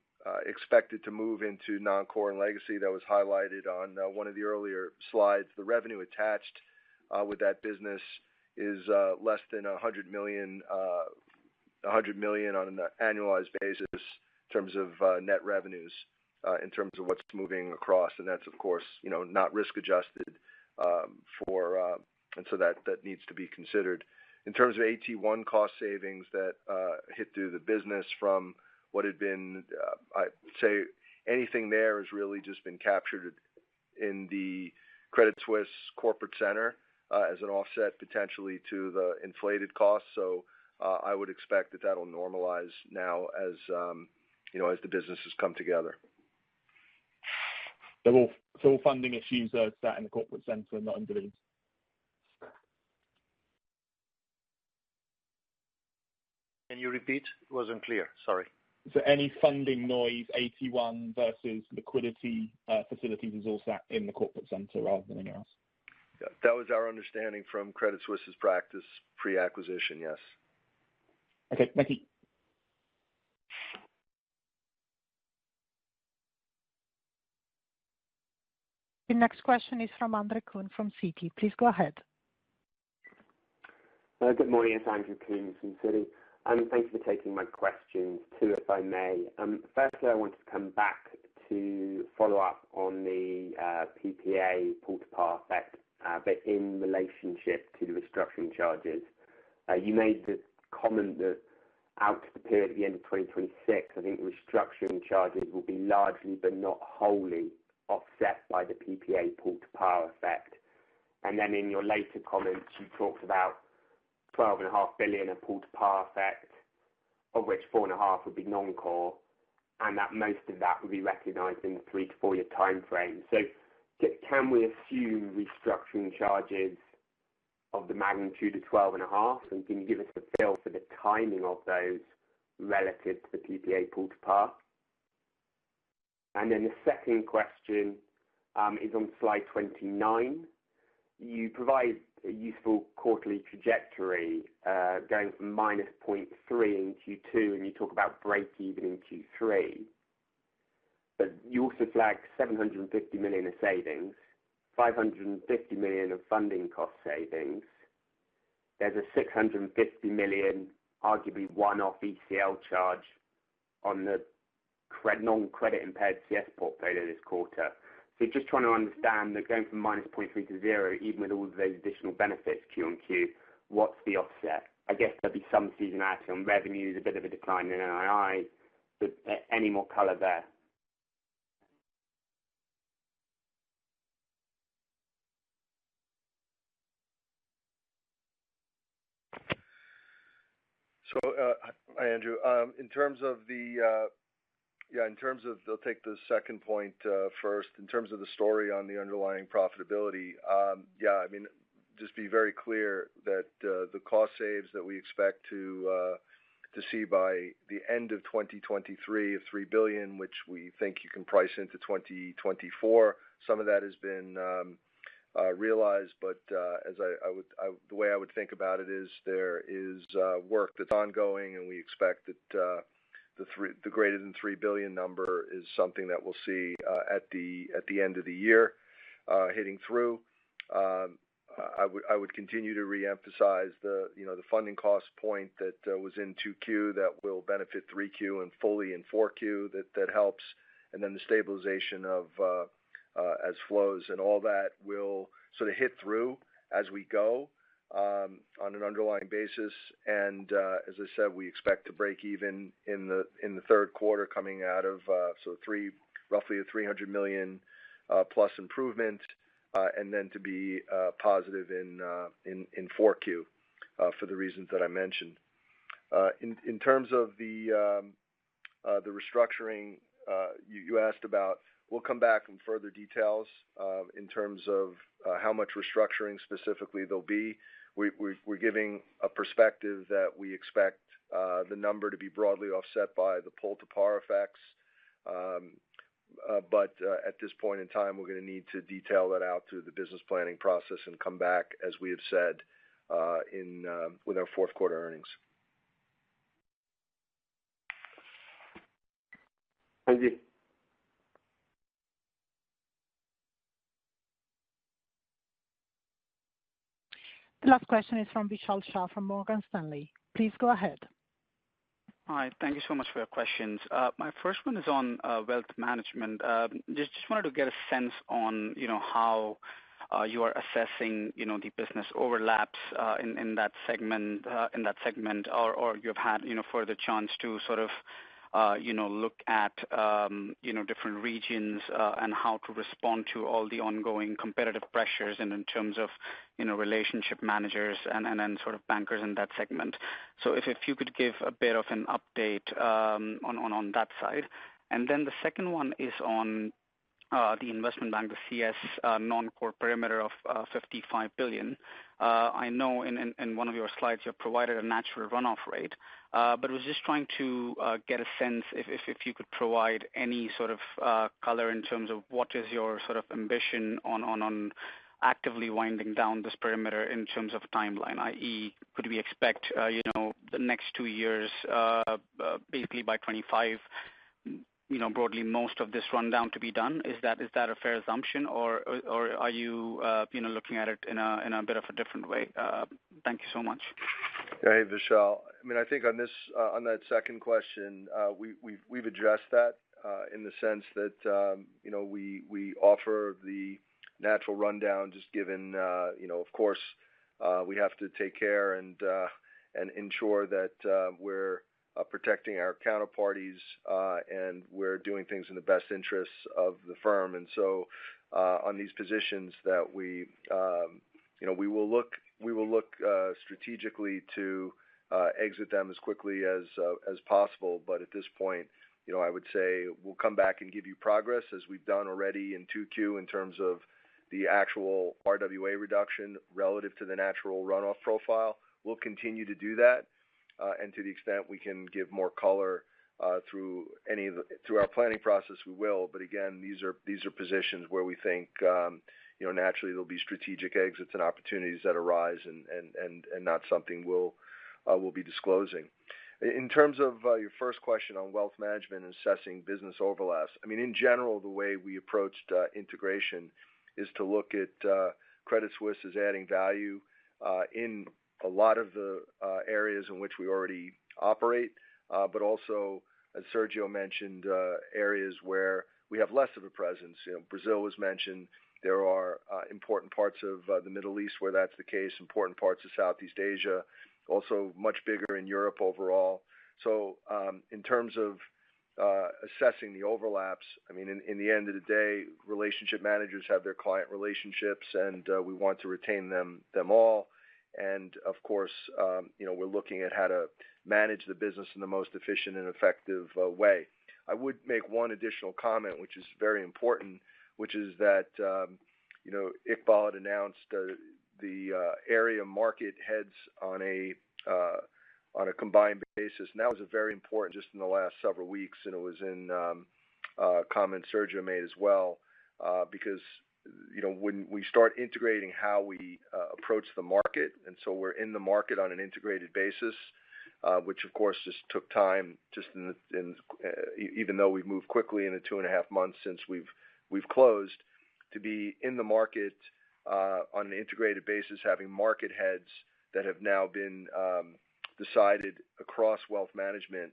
expected to move into Non-Core and Legacy, that was highlighted on one of the earlier slides. The revenue attached with that business is less than $100 million, $100 million on an annualized basis in terms of net revenues, in terms of what's moving across. And that's, of course, you know, not risk adjusted, for, and so that, that needs to be considered. In terms of AT1 cost savings that hit through the business from what had been, I'd say anything there has really just been captured in the Credit Suisse Corporate Center, as an offset potentially to the inflated costs. So, I would expect that that'll normalize now as, you know, as the businesses come together. So all funding issues are sat in the Corporate Center and not in the leads? Can you repeat? It wasn't clear, sorry. So any funding noise, AT1 versus liquidity facilities, is all sat in the Corporate Center rather than anywhere else? Yeah, that was our understanding from Credit Suisse's practice pre-acquisition, yes. Okay, thank you. The next question is from Andrew Coombs from Citi. Please go ahead. Good morning, it's Andrew Coombs from Citi, and thank you for taking my questions, two, if I may. Firstly, I wanted to come back to follow up on the PPA pull to par effect, but in relationship to the restructuring charges. You made the comment that out to the period at the end of 2026, I think restructuring charges will be largely, but not wholly, offset by the PPA pull to par effect. And then in your later comments, you talked about $12.5 billion of pull to par effect, of which $4.5 billion would be Non-Core, and that most of that would be recognized in the 3-4-year timeframe. So can we assume restructuring charges of the magnitude of 12.5, and can you give us a feel for the timing of those relative to the PPA pull to par? And then the second question is on slide 29. You provide a useful quarterly trajectory going from -0.3 in Q2, and you talk about breakeven in Q3. But you also flag $750 million of savings, $550 million of funding cost savings. There's a $650 million, arguably one-off ECL charge on the non-credit impaired CS portfolio this quarter. So just trying to understand that going from -0.3 to zero, even with all of those additional benefits Q on Q, what's the offset? I guess there'll be some seasonality on revenues, a bit of a decline in NII, but any more color there? So, hi, Andrew. In terms of, yeah, in terms of... I'll take the second point first. In terms of the story on the underlying profitability, yeah, I mean, just be very clear that the cost saves that we expect to see by the end of 2023, of $3 billion, which we think you can price into 2024, some of that has been realized. But as I would, the way I would think about it is there is work that's ongoing, and we expect that the greater than $3 billion number is something that we'll see at the end of the year hitting through. I would continue to reemphasize the, you know, the funding cost point that was in 2Q that will benefit 3Q and fully in 4Q, that helps. And then the stabilization of NCL flows and all that will sort of hit through as we go, on an underlying basis. And, as I said, we expect to break even in the third quarter, coming out of so roughly a $300 million+ improvement, and then to be positive in 4Q, for the reasons that I mentioned. In terms of the restructuring you asked about, we'll come back in further details, in terms of how much restructuring specifically there'll be. We're giving a perspective that we expect the number to be broadly offset by the pull-to-par effects. But at this point in time, we're gonna need to detail that out through the business planning process and come back, as we have said, with our fourth-quarter earnings. Thank you. The last question is from Vishal Shah from Morgan Stanley. Please go ahead. Hi, thank you so much for your questions. My first one is on Wealth Management. Just, just wanted to get a sense on, you know, how you are assessing, you know, the business overlaps in that segment, in that segment, or you've had, you know, further chance to sort of, you know, look at different regions, and how to respond to all the ongoing competitive pressures and in terms of, you know, relationship managers and, and then sort of bankers in that segment. So if you could give a bit of an update on that side. And then the second one is on the Investment Bank, the CS Non-Core perimeter of $55 billion. I know in one of your slides, you have provided a natural runoff rate. But was just trying to get a sense if you could provide any sort of color in terms of what is your sort of ambition on actively winding down this perimeter in terms of timeline, i.e., could we expect, you know, the next two years, basically by 2025, you know, broadly, most of this rundown to be done? Is that a fair assumption, or are you, you know, looking at it in a bit of a different way? Thank you so much. Hey, Vishal. I mean, I think on this, on that second question, we've addressed that, in the sense that, you know, we offer the natural rundown, just given, you know, of course, we have to take care and ensure that, we're protecting our counterparties, and we're doing things in the best interests of the firm. And so, on these positions that we, you know, we will look strategically to exit them as quickly as possible. But at this point, you know, I would say we'll come back and give you progress, as we've done already in 2Q, in terms of the actual RWA reduction relative to the natural runoff profile. We'll continue to do that, and to the extent we can give more color, through any of the- through our planning process, we will. But again, these are, these are positions where we think, you know, naturally there'll be strategic exits and opportunities that arise and not something we'll be disclosing. In terms of, your first question on Wealth Management and assessing business overlaps, I mean, in general, the way we approached, integration is to look at, Credit Suisse as adding value, in a lot of the, areas in which we already operate. But also, as Sergio mentioned, areas where we have less of a presence. You know, Brazil was mentioned. There are important parts of the Middle East, where that's the case, important parts of Southeast Asia, also much bigger in Europe overall. So, in terms of assessing the overlaps, I mean, in the end of the day, relationship managers have their client relationships, and we want to retain them all. And of course, you know, we're looking at how to manage the business in the most efficient and effective way. I would make one additional comment, which is very important, which is that, you know, Iqbal had announced the area market heads on a on a combined basis. And that was a very important just in the last several weeks, and it was in comment Sergio made as well. Because, you know, when we start integrating how we approach the market, and so we're in the market on an integrated basis, which, of course, just took time, even though we've moved quickly in the 2.5 months since we've closed. To be in the market on an integrated basis, having market heads that have now been decided across Wealth Management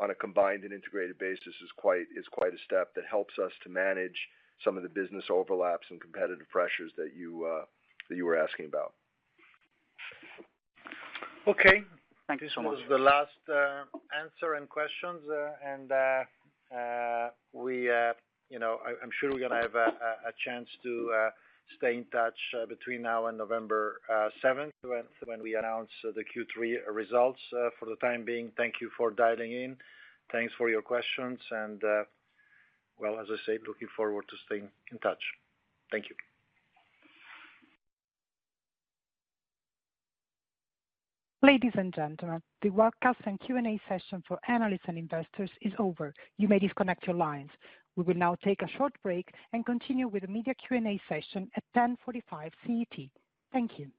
on a combined and integrated basis is quite a step that helps us to manage some of the business overlaps and competitive pressures that you were asking about. Okay. Thank you so much. This was the last answer and questions, and we, you know, I, I'm sure we're gonna have a chance to stay in touch between now and November seventh, when we announce the Q3 results. For the time being, thank you for dialing in. Thanks for your questions, and well, as I said, looking forward to staying in touch. Thank you. Ladies and gentlemen, the webcast and Q&A session for analysts and investors is over. You may disconnect your lines. We will now take a short break and continue with the media Q&A session at 10:45 A.M. CET. Thank you.